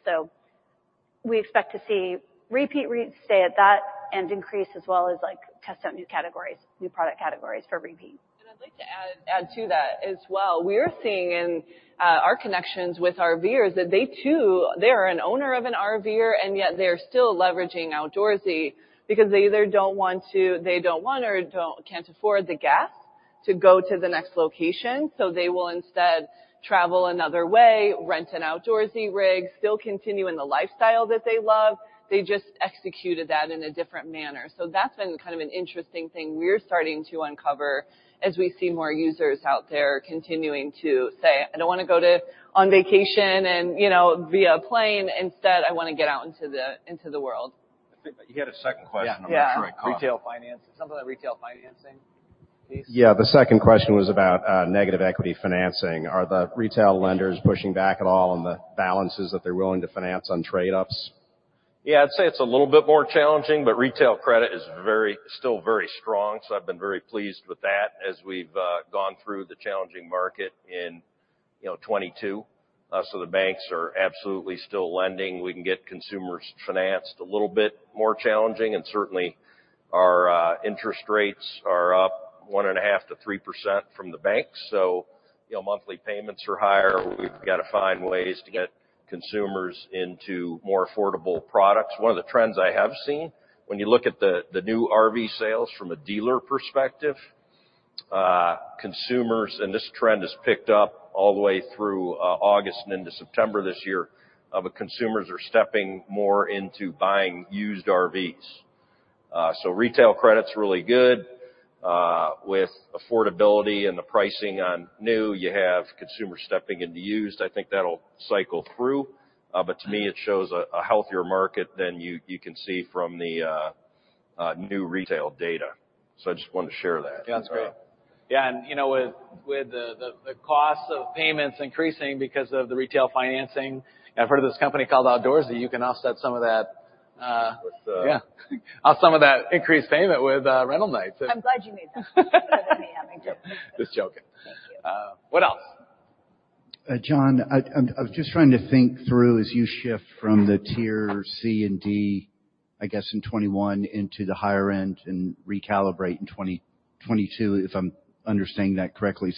We expect to see repeat rates stay at that and increase as well as like test out new categories, new product categories for repeat. I'd like to add to that as well. We are seeing in our connections with RVers that they too are an owner of an RVer, and yet they're still leveraging Outdoorsy because they either don't want or can't afford the gas to go to the next location. They will instead travel another way, rent an Outdoorsy rig, still continue in the lifestyle that they love. They just executed that in a different manner. That's been kind of an interesting thing we're starting to uncover as we see more users out there continuing to say, "I don't wanna go on vacation and, you know, via plane. Instead, I wanna get out into the world. I think you had a second question. I'm not sure I caught it. Yeah. Retail finance. Something about retail financing, please. Yeah, the second question was about negative equity financing. Are the retail lenders pushing back at all on the balances that they're willing to finance on trade-ups? Yeah, I'd say it's a little bit more challenging, but retail credit is still very strong, so I've been very pleased with that as we've gone through the challenging market in, you know, 2022. The banks are absolutely still lending. We can get consumers financed a little bit more challenging. Certainly our interest rates are up 1.5%-3% from the bank. You know, monthly payments are higher. We've got to find ways to get consumers into more affordable products. One of the trends I have seen when you look at the new RV sales from a dealer perspective, consumers, and this trend has picked up all the way through August and into September this year, but consumers are stepping more into buying used RVs. Retail credit's really good. With affordability and the pricing on new, you have consumers stepping into used. I think that'll cycle through. But to me it shows a healthier market than you can see from the new retail data. I just wanted to share that. Yeah, that's great. Yeah. You know, with the costs of payments increasing because of the retail financing, I've heard of this company called Outdoorsy. You can offset some of that. With the- Yeah. Offset some of that increased payment with rental nights. I'm glad you made that. Instead of me having to. Just joking. Thank you. What else? Jon, I'm just trying to think through as you shift from the tier C and D, I guess, in 2021 into the higher end and recalibrate in 2022, if I'm understanding that correctly.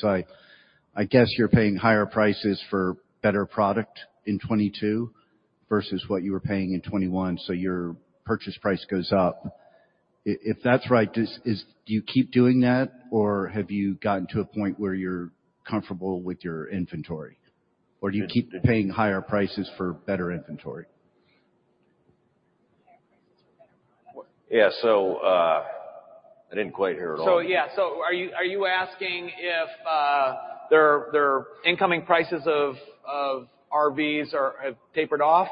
I guess you're paying higher prices for better product in 2022 versus what you were paying in 2021, so your purchase price goes up. If that's right, do you keep doing that? Or have you gotten to a point where you're comfortable with your inventory? Or do you keep paying higher prices for better inventory? Higher prices for better products. Yeah. I didn't quite hear it all. Yeah. Are you asking if their incoming prices of RVs have tapered off,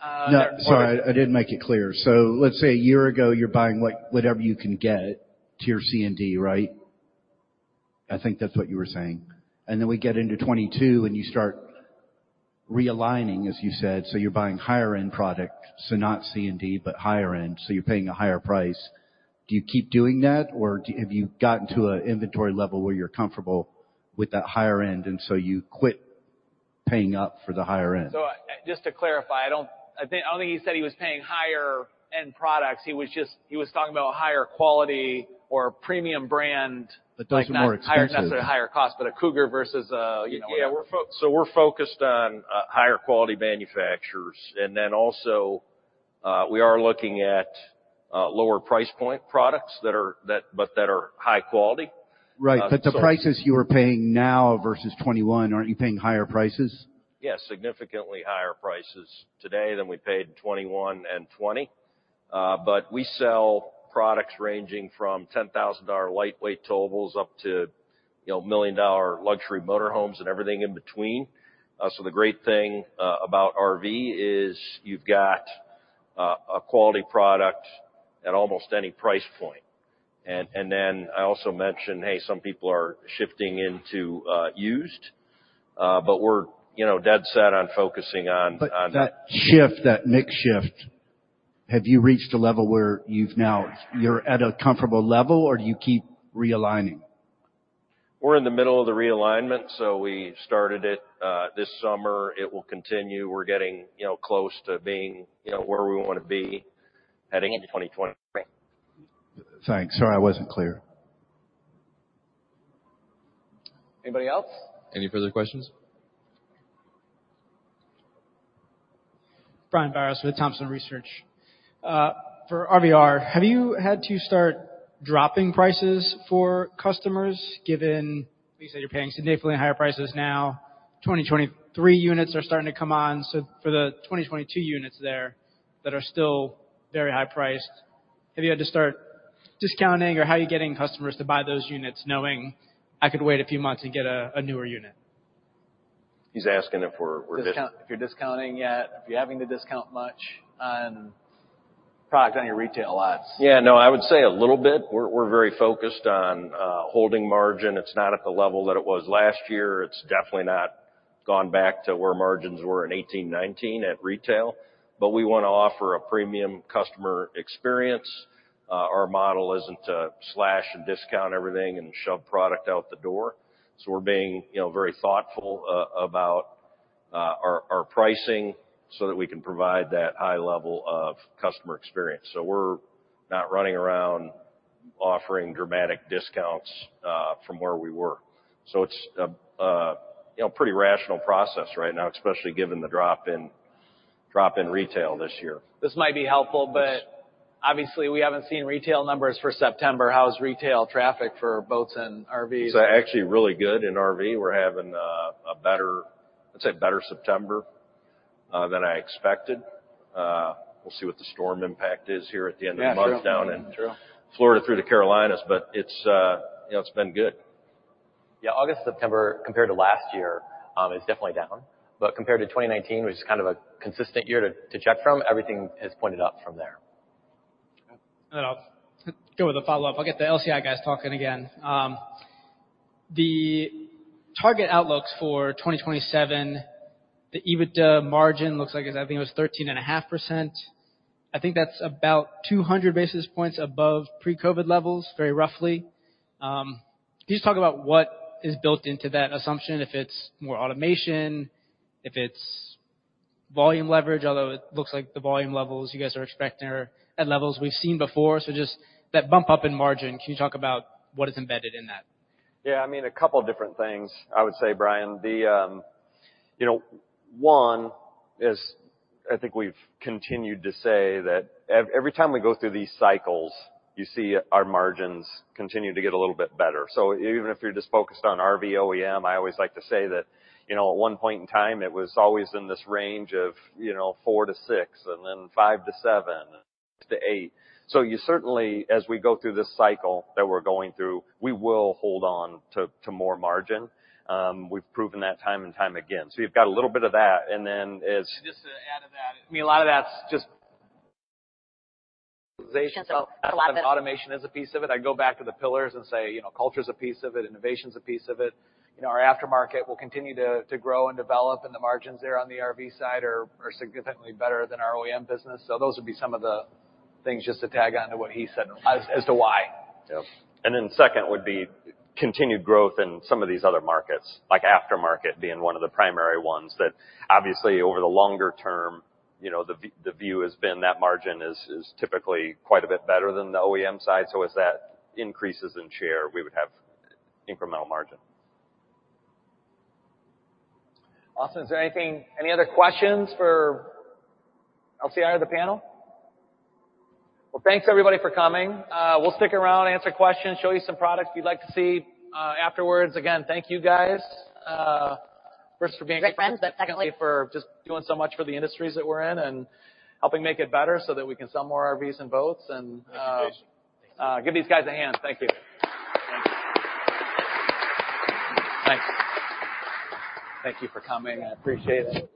that part? No. Sorry, I didn't make it clear. Let's say a year ago, you're buying like whatever you can get, tier C and D, right? I think that's what you were saying. We get into 2022, and you start realigning, as you said. You're buying higher end product, so not C and D, but higher end, so you're paying a higher price. Do you keep doing that, or have you gotten to an inventory level where you're comfortable with that higher end, and so you quit paying up for the higher end? Just to clarify, I don't think he said he was paying higher end products. He was just talking about higher quality or premium brand. Those are more expensive. Like, not higher, necessarily higher cost, but a Cougar versus a, you know. Yeah. We're focused on higher quality manufacturers. We are looking at lower price point products that are high quality. Right. The prices you are paying now versus 2021, aren't you paying higher prices? Yes, significantly higher prices today than we paid in 2021 and 2020. We sell products ranging from $10,000 lightweight towables up to, you know, $1 million luxury motor homes and everything in between. The great thing about RV is you've got a quality product at almost any price point. I also mentioned, hey, some people are shifting into used. We're, you know, dead set on focusing on. That shift, that mix shift, have you reached a level where you're at a comfortable level, or do you keep realigning? We're in the middle of the realignment, so we started it this summer. It will continue. We're getting, you know, close to being, you know, where we wanna be heading into 2023. Thanks. Sorry I wasn't clear. Anybody else? Any further questions? Brian Biros with Thompson Research Group. For RVR, have you had to start dropping prices for customers given you said you're paying significantly higher prices now, 2023 units are starting to come on. For the 2022 units there that are still very high priced, have you had to start discounting or how are you getting customers to buy those units knowing I could wait a few months and get a newer unit? He's asking if we're If you're having to discount much on product on your retail lots. Yeah, no. I would say a little bit. We're very focused on holding margin. It's not at the level that it was last year. It's definitely not gone back to where margins were in 2018-2019 at retail, but we wanna offer a premium customer experience. Our model isn't to slash and discount everything and shove product out the door. We're being, you know, very thoughtful about our pricing so that we can provide that high level of customer experience. We're not running around offering dramatic discounts from where we were. It's a, you know, pretty rational process right now, especially given the drop in retail this year. This might be helpful, but obviously we haven't seen retail numbers for September. How is retail traffic for boats and RVs? It's actually really good in RV. We're having a better September, I'd say, than I expected. We'll see what the storm impact is here at the end of the month. Yeah, true. down in Florida through the Carolinas. It's, you know, it's been good. Yeah. August, September, compared to last year, is definitely down. Compared to 2019, which is kind of a consistent year to check from, everything has pointed up from there. I'll go with a follow-up. I'll get the LCI guys talking again. The target outlooks for 2027, the EBITDA margin looks like, I think it was 13.5%. I think that's about 200 basis points above pre-COVID levels, very roughly. Can you just talk about what is built into that assumption, if it's more automation, if it's volume leverage, although it looks like the volume levels you guys are expecting are at levels we've seen before. Just that bump up in margin, can you talk about what is embedded in that? Yeah. I mean, a couple of different things, I would say, Brian. You know, one is, I think we've continued to say that every time we go through these cycles, you see our margins continue to get a little bit better. Even if you're just focused on RV OEM, I always like to say that, you know, at one point in time, it was always in this range of, you know, 4%-6% and then 5%-7% to 8%. You certainly, as we go through this cycle that we're going through, will hold on to more margin. We've proven that time and time again. You've got a little bit of that. Then as Just to add to that, I mean, a lot of that's just automation is a piece of it. I go back to the pillars and say, you know, culture is a piece of it, innovation is a piece of it. You know, our aftermarket will continue to grow and develop, and the margins there on the RV side are significantly better than our OEM business. Those would be some of the things just to tag on to what he said as to why. Yeah. Then second would be continued growth in some of these other markets, like aftermarket being one of the primary ones that obviously over the longer term, you know, the view has been that margin is typically quite a bit better than the OEM side. As that increases in share, we would have incremental margin. Austin, is there anything, any other questions for LCI or the panel? Well, thanks everybody for coming. We'll stick around, answer questions, show you some products you'd like to see, afterwards. Again, thank you guys, first for being- Great friends. Secondly, For just doing so much for the industries that we're in and helping make it better so that we can sell more RVs and boats. Appreciation. Give these guys a hand. Thank you. Thanks. Thank yo u for coming. I appreciate it.